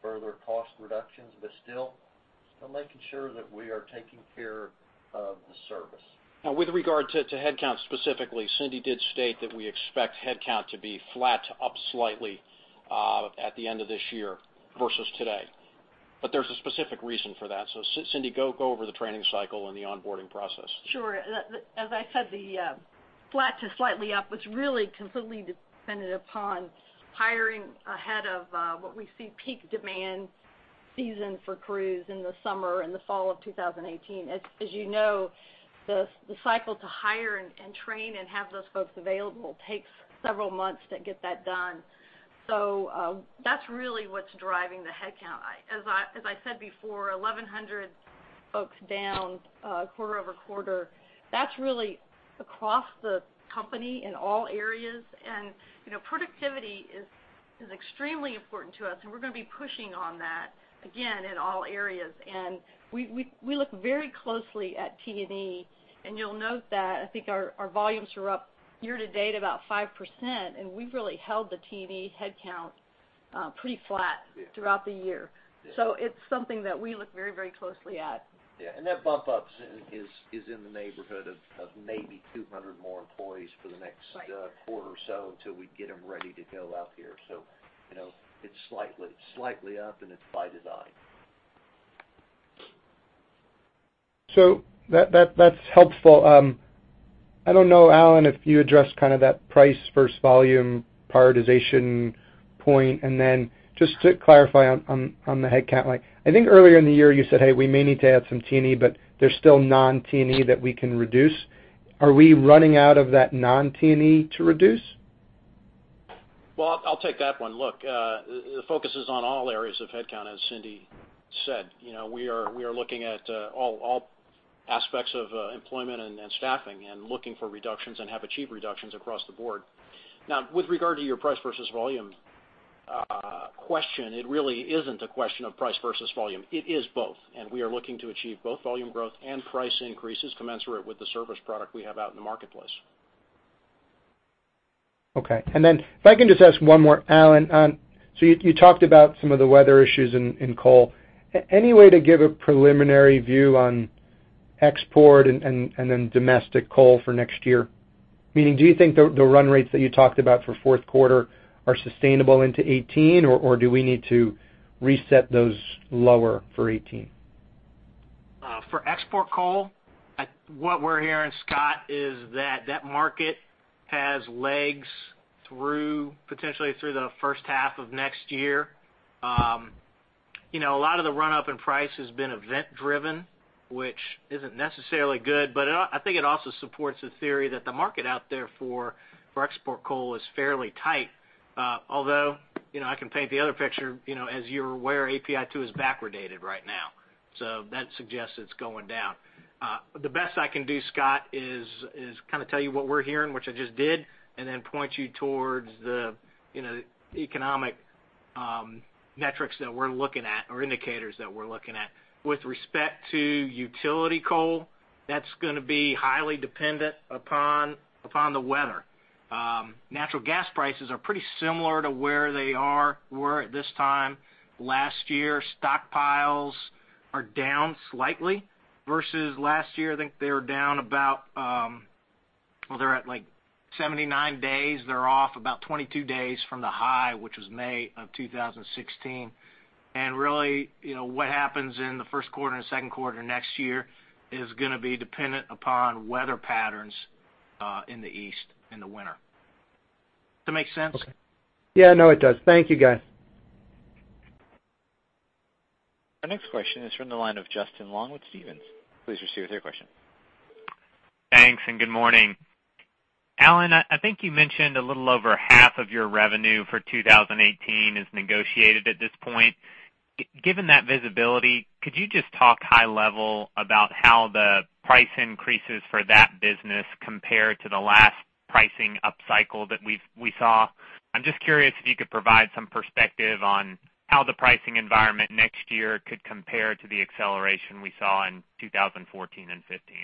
further cost reductions, but still making sure that we are taking care of the service. With regard to headcount specifically, Cindy did state that we expect headcount to be flat to up slightly at the end of this year versus today. There's a specific reason for that. Cindy, go over the training cycle and the onboarding process. As I said, the flat to slightly up was really completely dependent upon hiring ahead of what we see peak demand season for crews in the summer and the fall of 2018. As you know, the cycle to hire and train and have those folks available takes several months to get that done. That's really what's driving the headcount. As I said before, 1,100 folks down quarter-over-quarter. That's really across the company in all areas. Productivity is extremely important to us, and we're going to be pushing on that, again, in all areas. We look very closely at T&E, and you'll note that I think our volumes are up year-to-date about 5%, and we've really held the T&E headcount pretty flat throughout the year. Yeah. It's something that we look very closely at. That bump up is in the neighborhood of maybe 200 more employees for the next quarter or so until we get them ready to go out here. It's slightly up, and it's by design. That's helpful. I don't know, Alan, if you addressed that price versus volume prioritization point. Then just to clarify on the headcount line, I think earlier in the year you said, "Hey, we may need to add some T&E, but there's still non-T&E that we can reduce." Are we running out of that non-T&E to reduce? Well, I'll take that one. Look, the focus is on all areas of headcount, as Cindy said. We are looking at all aspects of employment and staffing and looking for reductions and have achieved reductions across the board. With regard to your price versus volume question, it really isn't a question of price versus volume. It is both, we are looking to achieve both volume growth and price increases commensurate with the service product we have out in the marketplace. Okay. If I can just ask one more. Alan, you talked about some of the weather issues in coal. Any way to give a preliminary view on export and domestic coal for next year? Meaning, do you think the run rates that you talked about for fourth quarter are sustainable into 2018, or do we need to reset those lower for 2018? For export coal, what we're hearing, Scott, is that that market has legs potentially through the first half of next year. A lot of the run-up in price has been event driven, which isn't necessarily good, but I think it also supports the theory that the market out there for export coal is fairly tight. Although, I can paint the other picture. As you're aware, API2 is backwardated right now. That suggests it's going down. The best I can do, Scott, is tell you what we're hearing, which I just did, point you towards the economic metrics that we're looking at or indicators that we're looking at. With respect to utility coal, that's going to be highly dependent upon the weather. Natural gas prices are pretty similar to where they were at this time last year. Stockpiles are down slightly versus last year. I think they were down, they're at 79 days. They're off about 22 days from the high, which was May of 2016. Really, what happens in the first quarter and second quarter next year is going to be dependent upon weather patterns in the East in the winter. Does that make sense? Okay. Yeah, no, it does. Thank you, guys. Our next question is from the line of Justin Long with Stephens. Please proceed with your question. Thanks, and good morning. Alan, I think you mentioned a little over half of your revenue for 2018 is negotiated at this point. Given that visibility, could you just talk high level about how the price increases for that business compare to the last pricing upcycle that we saw? I'm just curious if you could provide some perspective on how the pricing environment next year could compare to the acceleration we saw in 2014 and 2015.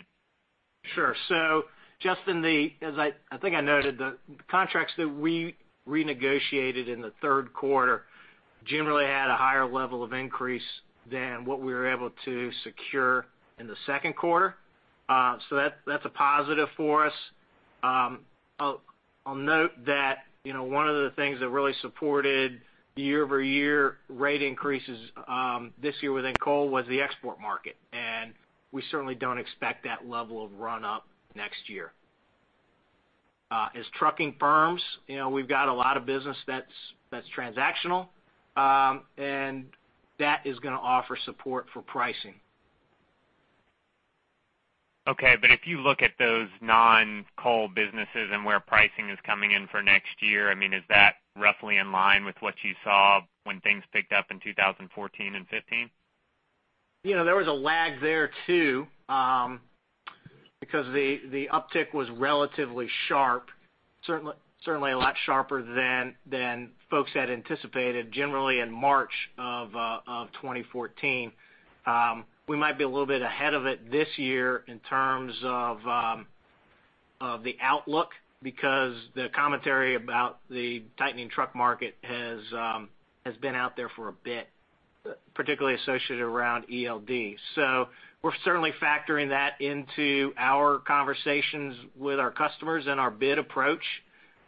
Sure. Justin, as I think I noted, the contracts that we renegotiated in the third quarter generally had a higher level of increase than what we were able to secure in the second quarter. That's a positive for us. I'll note that one of the things that really supported year-over-year rate increases this year within coal was the export market, we certainly don't expect that level of run-up next year. As trucking firms, we've got a lot of business that's transactional, that is going to offer support for pricing. Okay. If you look at those non-coal businesses and where pricing is coming in for next year, is that roughly in line with what you saw when things picked up in 2014 and 2015? There was a lag there, too, because the uptick was relatively sharp. Certainly a lot sharper than folks had anticipated generally in March of 2014. We might be a little bit ahead of it this year in terms of the outlook because the commentary about the tightening truck market has been out there for a bit, particularly associated around ELD. We're certainly factoring that into our conversations with our customers and our bid approach.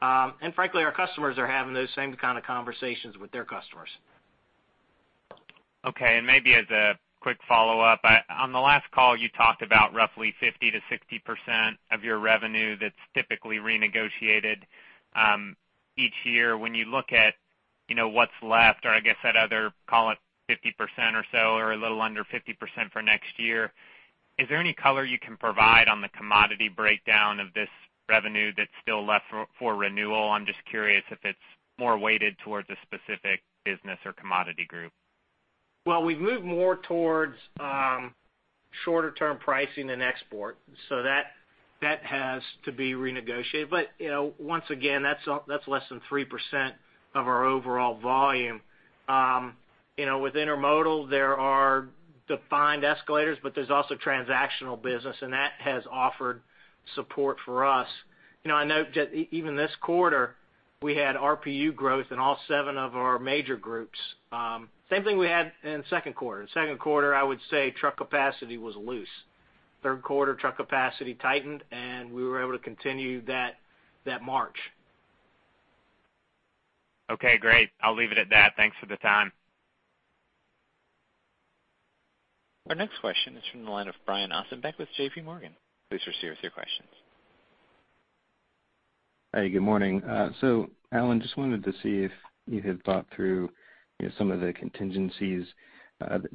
Frankly, our customers are having those same kind of conversations with their customers. Okay, maybe as a quick follow-up. On the last call, you talked about roughly 50%-60% of your revenue that's typically renegotiated each year. When you look at what's left or I guess that other, call it 50% or so, or a little under 50% for next year, is there any color you can provide on the commodity breakdown of this revenue that's still left for renewal? I'm just curious if it's more weighted towards a specific business or commodity group. Well, we've moved more towards shorter-term pricing in export, so that has to be renegotiated. Once again, that's less than 3% of our overall volume. With intermodal, there are defined escalators, but there's also transactional business, and that has offered support for us. I note that even this quarter we had RPU growth in all 7 of our major groups. Same thing we had in the second quarter. Second quarter, I would say truck capacity was loose. Third quarter, truck capacity tightened, we were able to continue that march. Okay, great. I'll leave it at that. Thanks for the time. Our next question is from the line of Brian Ossenbeck with JPMorgan. Please proceed with your questions. Hi, good morning. Alan, just wanted to see if you had thought through some of the contingencies that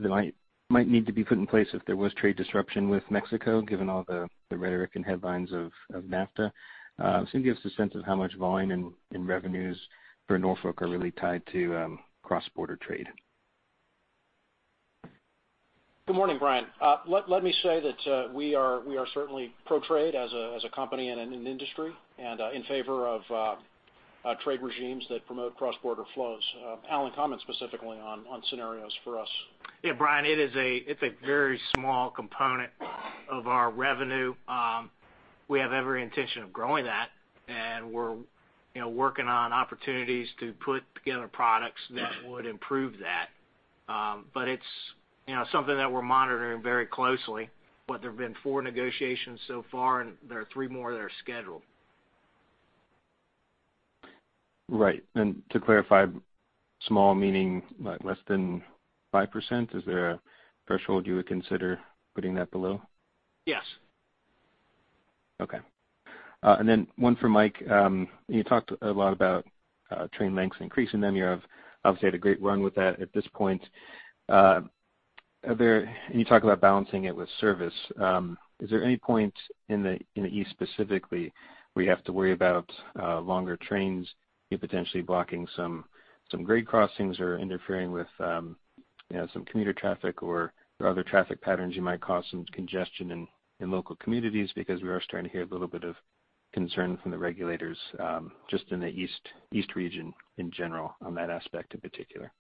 might need to be put in place if there was trade disruption with Mexico, given all the rhetoric and headlines of NAFTA. Just give us a sense of how much volume in revenues for Norfolk are really tied to cross-border trade. Good morning, Brian. Let me say that we are certainly pro-trade as a company and in an industry and in favor of trade regimes that promote cross-border flows. Alan, comment specifically on scenarios for us. Yeah, Brian, it's a very small component of our revenue. We have every intention of growing that, we're working on opportunities to put together products that would improve that. It's something that we're monitoring very closely. There have been four negotiations so far, there are three more that are scheduled. Right. To clarify, small meaning less than 5%? Is there a threshold you would consider putting that below? Yes. Okay. One for Mike. You talked a lot about train lengths increasing, you have obviously had a great run with that at this point. You talk about balancing it with service. Is there any point in the East specifically where you have to worry about longer trains, you potentially blocking some grade crossings or interfering with some commuter traffic or other traffic patterns you might cause some congestion in local communities? We are starting to hear a little bit of concern from the regulators, just in the East region in general on that aspect in particular.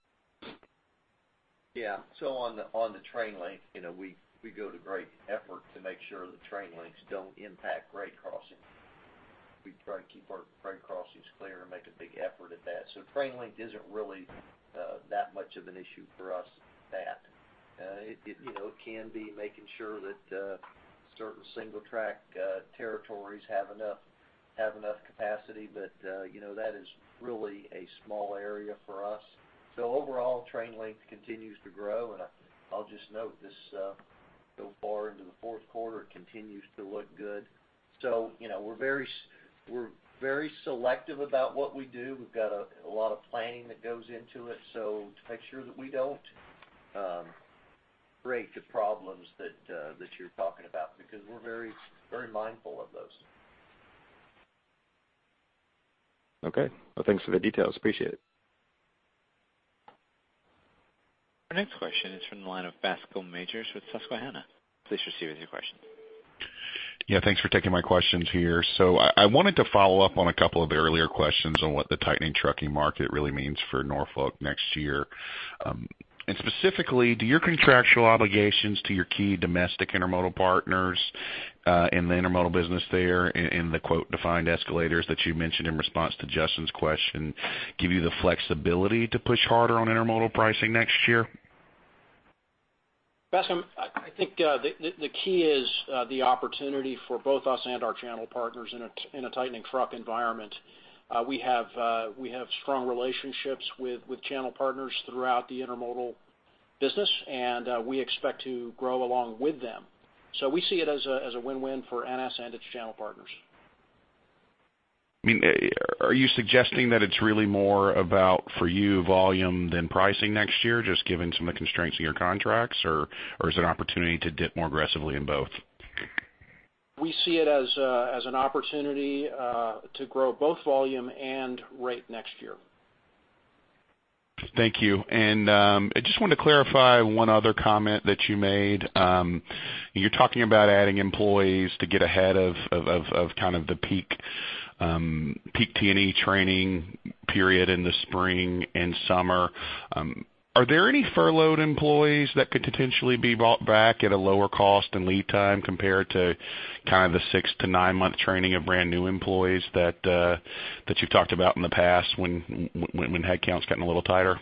Yeah. On the train length, we go to great effort to make sure the train lengths don't impact grade crossings. We try to keep our grade crossings clear and make a big effort at that. Train length isn't really that much of an issue for us, that. It can be making sure that certain single-track territories have enough capacity, that is really a small area for us. Overall, train length continues to grow, I'll just note this so far into the fourth quarter, it continues to look good. We're very selective about what we do. We've got a lot of planning that goes into it, to make sure that we don't create the problems that you're talking about, we're very mindful of those. Okay. Well, thanks for the details. Appreciate it. Our next question is from the line of Bascome Majors with Susquehanna. Please proceed with your question. Yeah, thanks for taking my questions here. I wanted to follow up on a couple of the earlier questions on what the tightening trucking market really means for Norfolk next year. Specifically, do your contractual obligations to your key domestic Intermodal partners in the Intermodal business there and the, quote, "defined escalators" that you mentioned in response to Justin's question, give you the flexibility to push harder on Intermodal pricing next year? Bascome, I think the key is the opportunity for both us and our channel partners in a tightening truck environment. We have strong relationships with channel partners throughout the Intermodal business, we expect to grow along with them. We see it as a win-win for NS and its channel partners. Are you suggesting that it's really more about, for you, volume than pricing next year, just given some of the constraints in your contracts? Or is it an opportunity to dip more aggressively in both? We see it as an opportunity to grow both volume and rate next year. Thank you. I just wanted to clarify one other comment that you made. You're talking about adding employees to get ahead of the peak T&E training period in the spring and summer. Are there any furloughed employees that could potentially be brought back at a lower cost and lead time compared to the six to nine-month training of brand-new employees that you've talked about in the past when headcount's gotten a little tighter?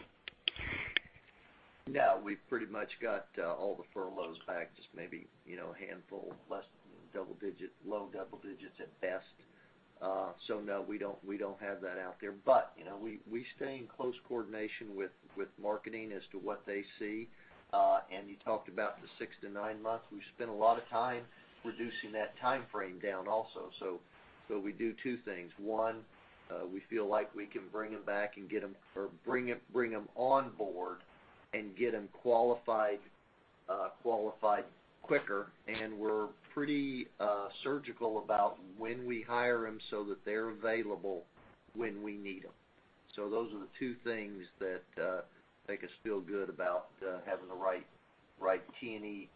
No, we've pretty much got all the furloughs back, just maybe a handful less than double digits, low double digits at best. No, we don't have that out there. We stay in close coordination with marketing as to what they see. You talked about the six to nine months. We've spent a lot of time reducing that timeframe down also. We do two things. One, we feel like we can bring them back or bring them on board and get them qualified quicker. We're pretty surgical about when we hire them so that they're available when we need them. Those are the two things that make us feel good about having the right T&E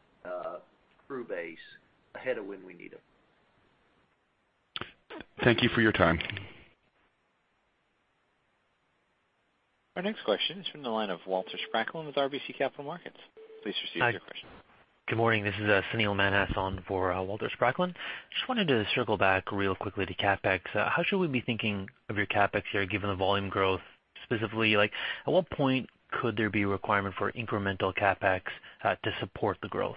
crew base ahead of when we need them. Thank you for your time. Our next question is from the line of Walter Spracklin with RBC Capital Markets. Please proceed with your question. Good morning. This is Sunil Mannath on for Walter Spracklin. Just wanted to circle back real quickly to CapEx. How should we be thinking of your CapEx here, given the volume growth? Specifically like, at what point could there be a requirement for incremental CapEx to support the growth?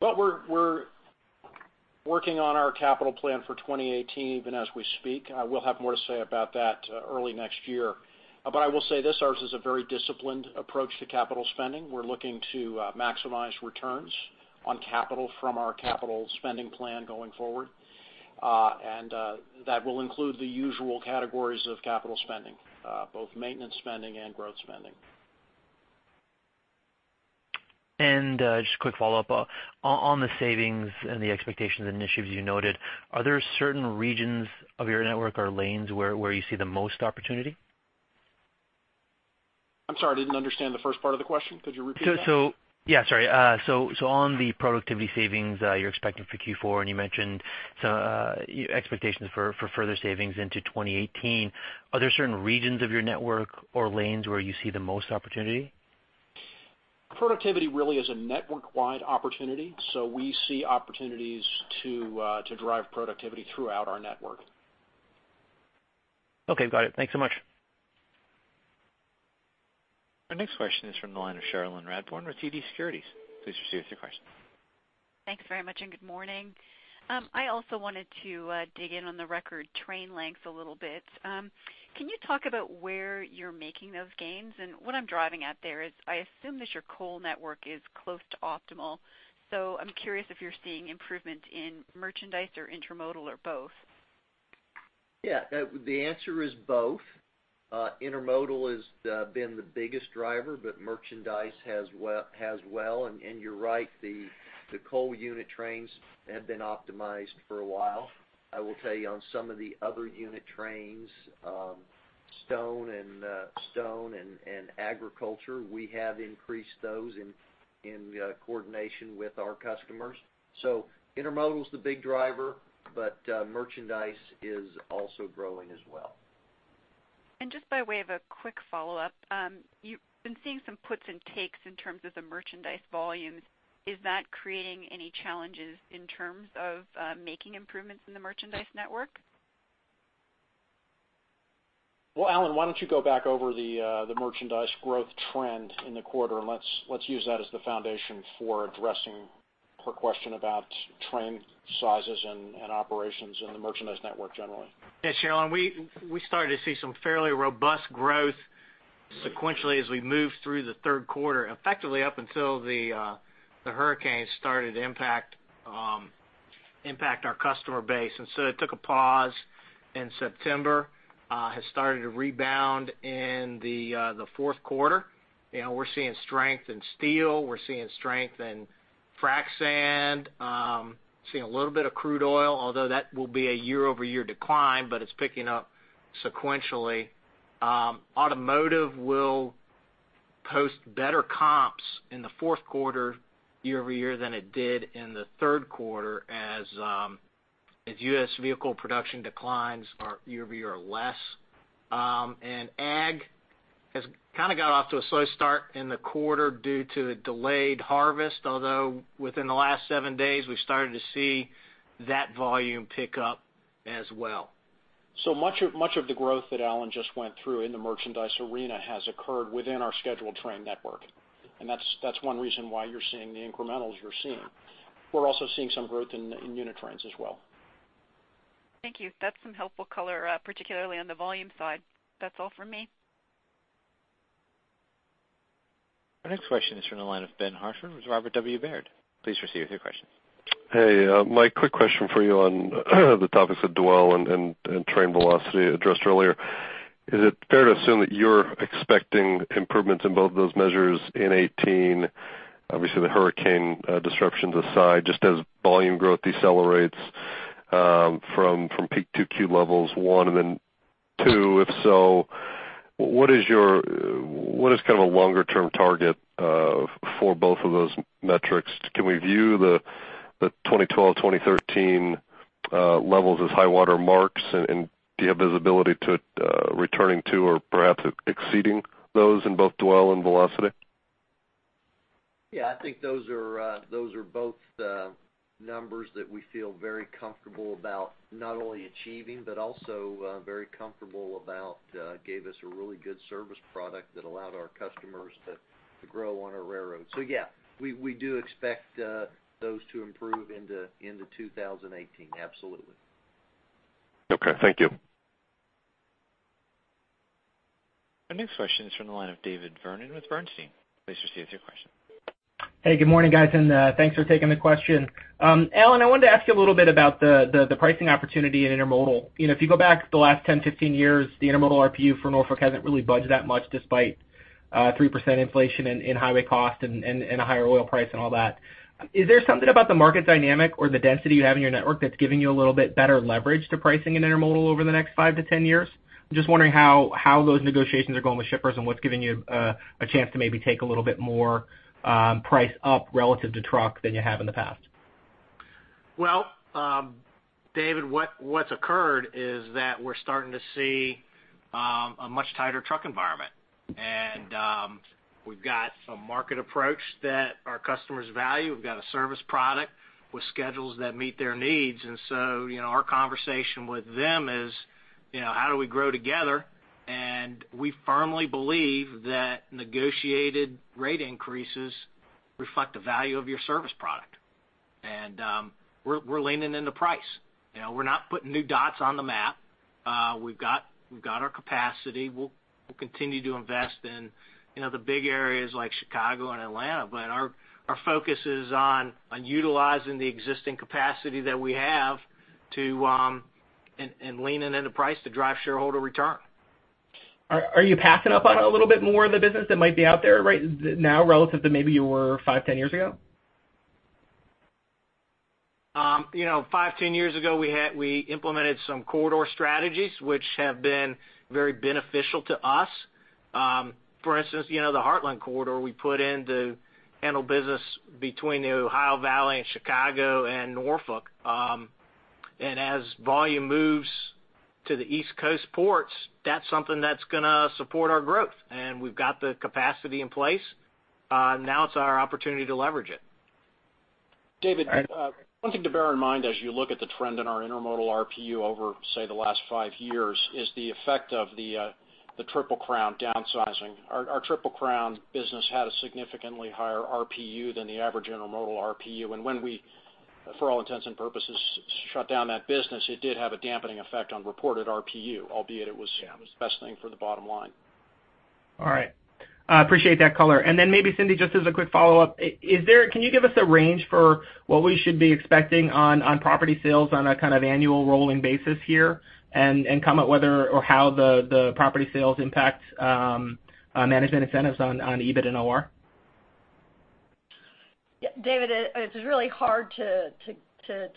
Well, we're working on our capital plan for 2018 even as we speak. We'll have more to say about that early next year. I will say this, ours is a very disciplined approach to capital spending. We're looking to maximize returns on capital from our capital spending plan going forward. That will include the usual categories of capital spending, both maintenance spending and growth spending. Just a quick follow-up. On the savings and the expectations initiatives you noted, are there certain regions of your network or lanes where you see the most opportunity? I'm sorry, I didn't understand the first part of the question. Could you repeat that? Yeah, sorry. On the productivity savings you're expecting for Q4, and you mentioned some expectations for further savings into 2018, are there certain regions of your network or lanes where you see the most opportunity? Productivity really is a network-wide opportunity, so we see opportunities to drive productivity throughout our network. Okay, got it. Thanks so much. Our next question is from the line of Cherilyn Radbourne with TD Securities. Please proceed with your question. Thanks very much. Good morning. I also wanted to dig in on the record train lengths a little bit. Can you talk about where you're making those gains? What I'm driving at there is I assume that your coal network is close to optimal, so I'm curious if you're seeing improvement in merchandise or Intermodal or both. Yeah. The answer is both. Intermodal has been the biggest driver, but merchandise has well. You're right, the coal unit trains have been optimized for a while. I will tell you on some of the other unit trains, stone and agriculture, we have increased those in coordination with our customers. Intermodal is the big driver, but merchandise is also growing as well. Just by way of a quick follow-up, you've been seeing some puts and takes in terms of the merchandise volumes. Is that creating any challenges in terms of making improvements in the merchandise network? Well, Alan, why don't you go back over the merchandise growth trend in the quarter, and let's use that as the foundation for addressing her question about trend sizes and operations in the merchandise network generally. Yeah, Cherilyn, we started to see some fairly robust growth sequentially as we moved through the third quarter, effectively up until the hurricane started to impact our customer base. So it took a pause in September, has started to rebound in the fourth quarter. We're seeing strength in steel, we're seeing strength in frac sand, seeing a little bit of crude oil, although that will be a year-over-year decline, but it's picking up sequentially. Automotive will post better comps in the fourth quarter year-over-year than it did in the third quarter as U.S. vehicle production declines are year-over-year less. Ag has kind of got off to a slow start in the quarter due to delayed harvest, although within the last seven days, we've started to see that volume pick up as well. Much of the growth that Alan just went through in the merchandise arena has occurred within our scheduled train network. That's one reason why you're seeing the incrementals you're seeing. We're also seeing some growth in unit trains as well. Thank you. That's some helpful color, particularly on the volume side. That's all for me. Our next question is from the line of Ben Hartford with Robert W. Baird. Please proceed with your question. Hey, Mike, quick question for you on the topics of dwell and train velocity addressed earlier. Is it fair to assume that you're expecting improvements in both of those measures in 2018, obviously the hurricane disruptions aside, just as volume growth decelerates from peak 2Q levels, one, and then two, if so, what is kind of a longer-term target for both of those metrics? Can we view the 2012, 2013 levels as high water marks, and do you have visibility to returning to or perhaps exceeding those in both dwell and velocity? Yeah, I think those are both numbers that we feel very comfortable about not only achieving, but also very comfortable about gave us a really good service product that allowed our customers to grow on our railroad. Yeah, we do expect those to improve into 2018. Absolutely. Okay, thank you. Our next question is from the line of David Vernon with Bernstein. Please proceed with your question. Hey, good morning, guys, and thanks for taking the question. Alan, I wanted to ask you a little bit about the pricing opportunity in intermodal. If you go back the last 10, 15 years, the intermodal RPU for Norfolk hasn't really budged that much despite 3% inflation in highway cost and a higher oil price and all that. Is there something about the market dynamic or the density you have in your network that's giving you a little bit better leverage to pricing in intermodal over the next five to 10 years? I'm just wondering how those negotiations are going with shippers and what's giving you a chance to maybe take a little bit more price up relative to truck than you have in the past. Well, David, what's occurred is that we're starting to see a much tighter truck environment. We've got a market approach that our customers value. We've got a service product with schedules that meet their needs. Our conversation with them is how do we grow together? We firmly believe that negotiated rate increases reflect the value of your service product. We're leaning into price. We're not putting new dots on the map. We've got our capacity. We'll continue to invest in the big areas like Chicago and Atlanta. Our focus is on utilizing the existing capacity that we have and leaning into price to drive shareholder return. Are you passing up on a little bit more of the business that might be out there right now relative to maybe you were five, 10 years ago? Five, 10 years ago, we implemented some corridor strategies, which have been very beneficial to us. For instance, the Heartland Corridor we put in to handle business between the Ohio Valley and Chicago and Norfolk. As volume moves to the East Coast ports, that's something that's going to support our growth, and we've got the capacity in place. Now it's our opportunity to leverage it. David, one thing to bear in mind as you look at the trend in our intermodal RPU over, say, the last five years is the effect of the Triple Crown downsizing. Our Triple Crown business had a significantly higher RPU than the average intermodal RPU. When we, for all intents and purposes, shut down that business, it did have a dampening effect on reported RPU, albeit it was the best thing for the bottom line. All right. I appreciate that color. Then maybe Cindy, just as a quick follow-up, can you give us a range for what we should be expecting on property sales on a kind of annual rolling basis here and comment whether or how the property sales impact management incentives on EBIT and OR? David, it's really hard to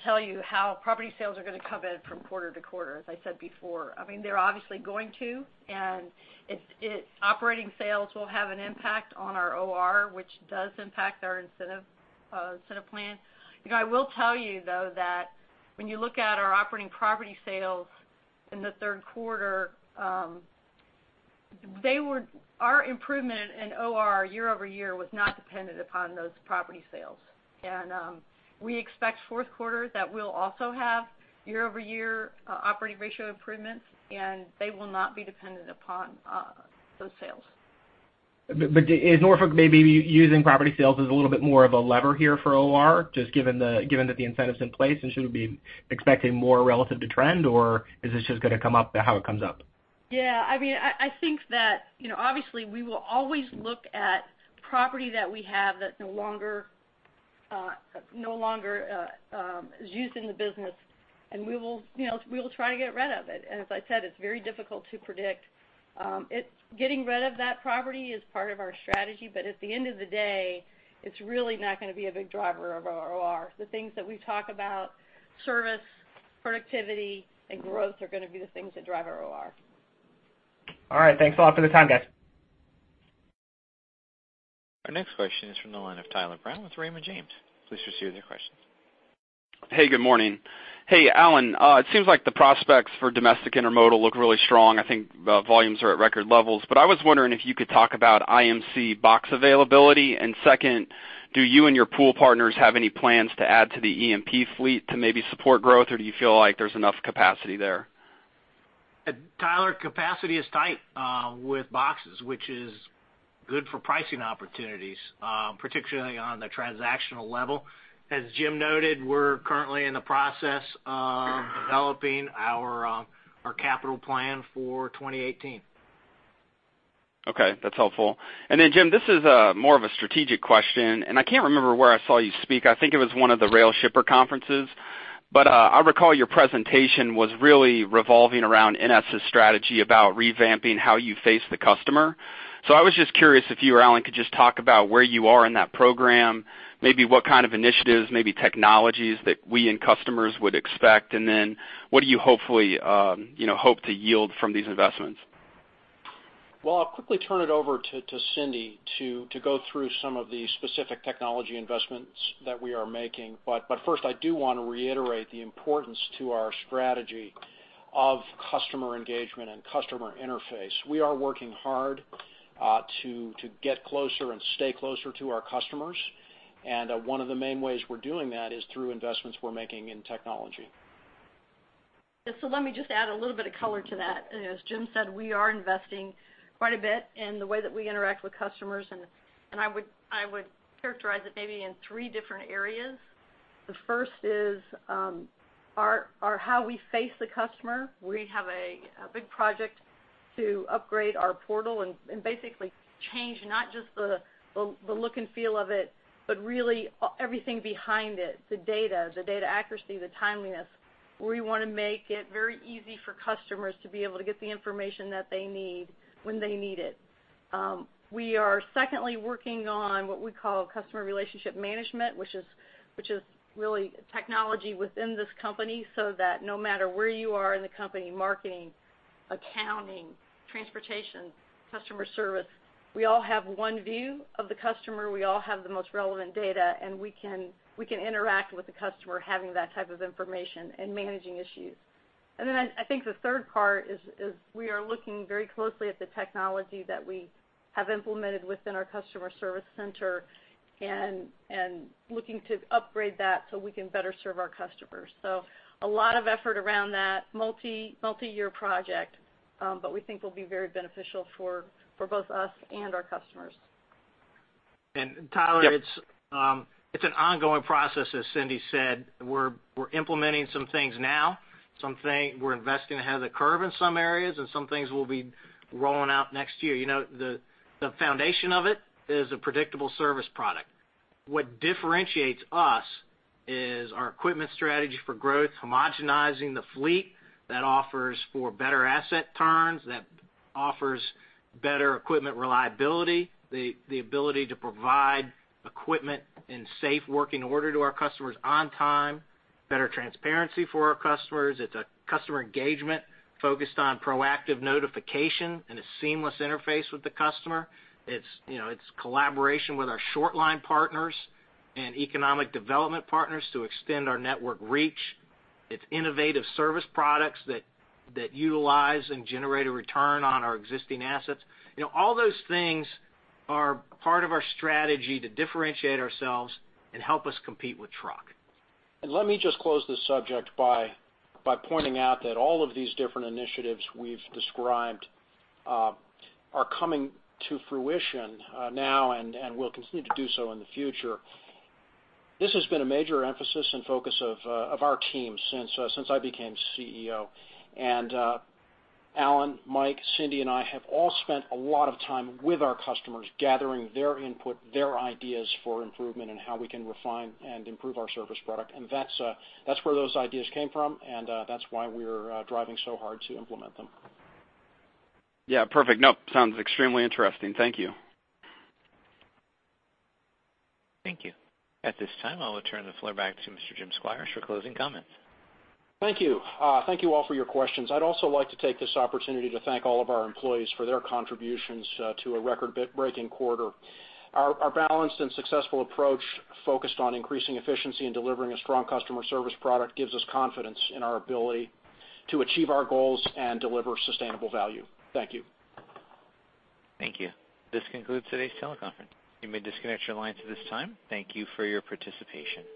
tell you how property sales are going to come in from quarter to quarter, as I said before. They're obviously going to, and operating sales will have an impact on our OR, which does impact our incentive plan. I will tell you, though, that when you look at our operating property sales in the third quarter, our improvement in OR year-over-year was not dependent upon those property sales. We expect fourth quarter that we'll also have year-over-year operating ratio improvements, and they will not be dependent upon those sales. Is Norfolk maybe using property sales as a little bit more of a lever here for OR, just given that the incentive's in place and should we be expecting more relative to trend or is this just going to come up how it comes up? Yeah. I think that obviously we will always look at property that we have that no longer is used in the business, and we will try to get rid of it. As I said, it's very difficult to predict. Getting rid of that property is part of our strategy, but at the end of the day, it's really not going to be a big driver of our OR. The things that we talk about, service, productivity, and growth are going to be the things that drive our OR. All right. Thanks a lot for the time, guys. Our next question is from the line of Tyler Brown with Raymond James. Please proceed with your questions. Hey, good morning. Hey, Alan, it seems like the prospects for domestic Intermodal look really strong. I think volumes are at record levels. I was wondering if you could talk about IMC box availability. Second, do you and your pool partners have any plans to add to the EMP fleet to maybe support growth, or do you feel like there's enough capacity there? Tyler, capacity is tight with boxes, which is good for pricing opportunities, particularly on the transactional level. As Jim noted, we're currently in the process of developing our capital plan for 2018. Okay, that's helpful. Jim, this is more of a strategic question, and I can't remember where I saw you speak. I think it was one of the rail shipper conferences. I recall your presentation was really revolving around NS' strategy about revamping how you face the customer. I was just curious if you or Alan could just talk about where you are in that program, maybe what kind of initiatives, maybe technologies that we and customers would expect, and then what do you hope to yield from these investments? I'll quickly turn it over to Cindy Ehrhardt to go through some of the specific technology investments that we are making. First, I do want to reiterate the importance to our strategy of customer engagement and customer interface. We are working hard to get closer and stay closer to our customers. One of the main ways we're doing that is through investments we're making in technology. Let me just add a little bit of color to that. As Jim Squires said, we are investing quite a bit in the way that we interact with customers, and I would characterize it maybe in three different areas. The first is how we face the customer. We have a big project to upgrade our portal and basically change not just the look and feel of it, but really everything behind it, the data, the data accuracy, the timeliness. We want to make it very easy for customers to be able to get the information that they need when they need it. We are secondly working on what we call customer relationship management, which is really technology within this company so that no matter where you are in the company, marketing, accounting, transportation, customer service, we all have one view of the customer. We all have the most relevant data, and we can interact with the customer having that type of information and managing issues. I think the third part is we are looking very closely at the technology that we have implemented within our customer service center and looking to upgrade that so we can better serve our customers. A lot of effort around that multi-year project, but we think will be very beneficial for both us and our customers. Tyler, it's an ongoing process, as Cindy Ehrhardt said. We're implementing some things now. We're investing ahead of the curve in some areas, and some things we'll be rolling out next year. The foundation of it is a predictable service product. What differentiates us is our equipment strategy for growth, homogenizing the fleet that offers better asset turns, better equipment reliability, the ability to provide equipment in safe working order to our customers on time, better transparency for our customers. It's a customer engagement focused on proactive notification and a seamless interface with the customer. It's collaboration with our short line partners and economic development partners to extend our network reach. It's innovative service products that utilize and generate a return on our existing assets. All those things are part of our strategy to differentiate ourselves and help us compete with truck. Let me just close this subject by pointing out that all of these different initiatives we've described are coming to fruition now and will continue to do so in the future. This has been a major emphasis and focus of our team since I became CEO. Alan, Mike, Cindy, and I have all spent a lot of time with our customers, gathering their input, their ideas for improvement, and how we can refine and improve our service product. That's where those ideas came from, and that's why we're driving so hard to implement them. Yeah, perfect. Sounds extremely interesting. Thank you. Thank you. At this time, I will turn the floor back to Mr. Jim Squires for closing comments. Thank you. Thank you all for your questions. I'd also like to take this opportunity to thank all of our employees for their contributions to a record-breaking quarter. Our balanced and successful approach focused on increasing efficiency and delivering a strong customer service product gives us confidence in our ability to achieve our goals and deliver sustainable value. Thank you. Thank you. This concludes today's teleconference. You may disconnect your lines at this time. Thank you for your participation.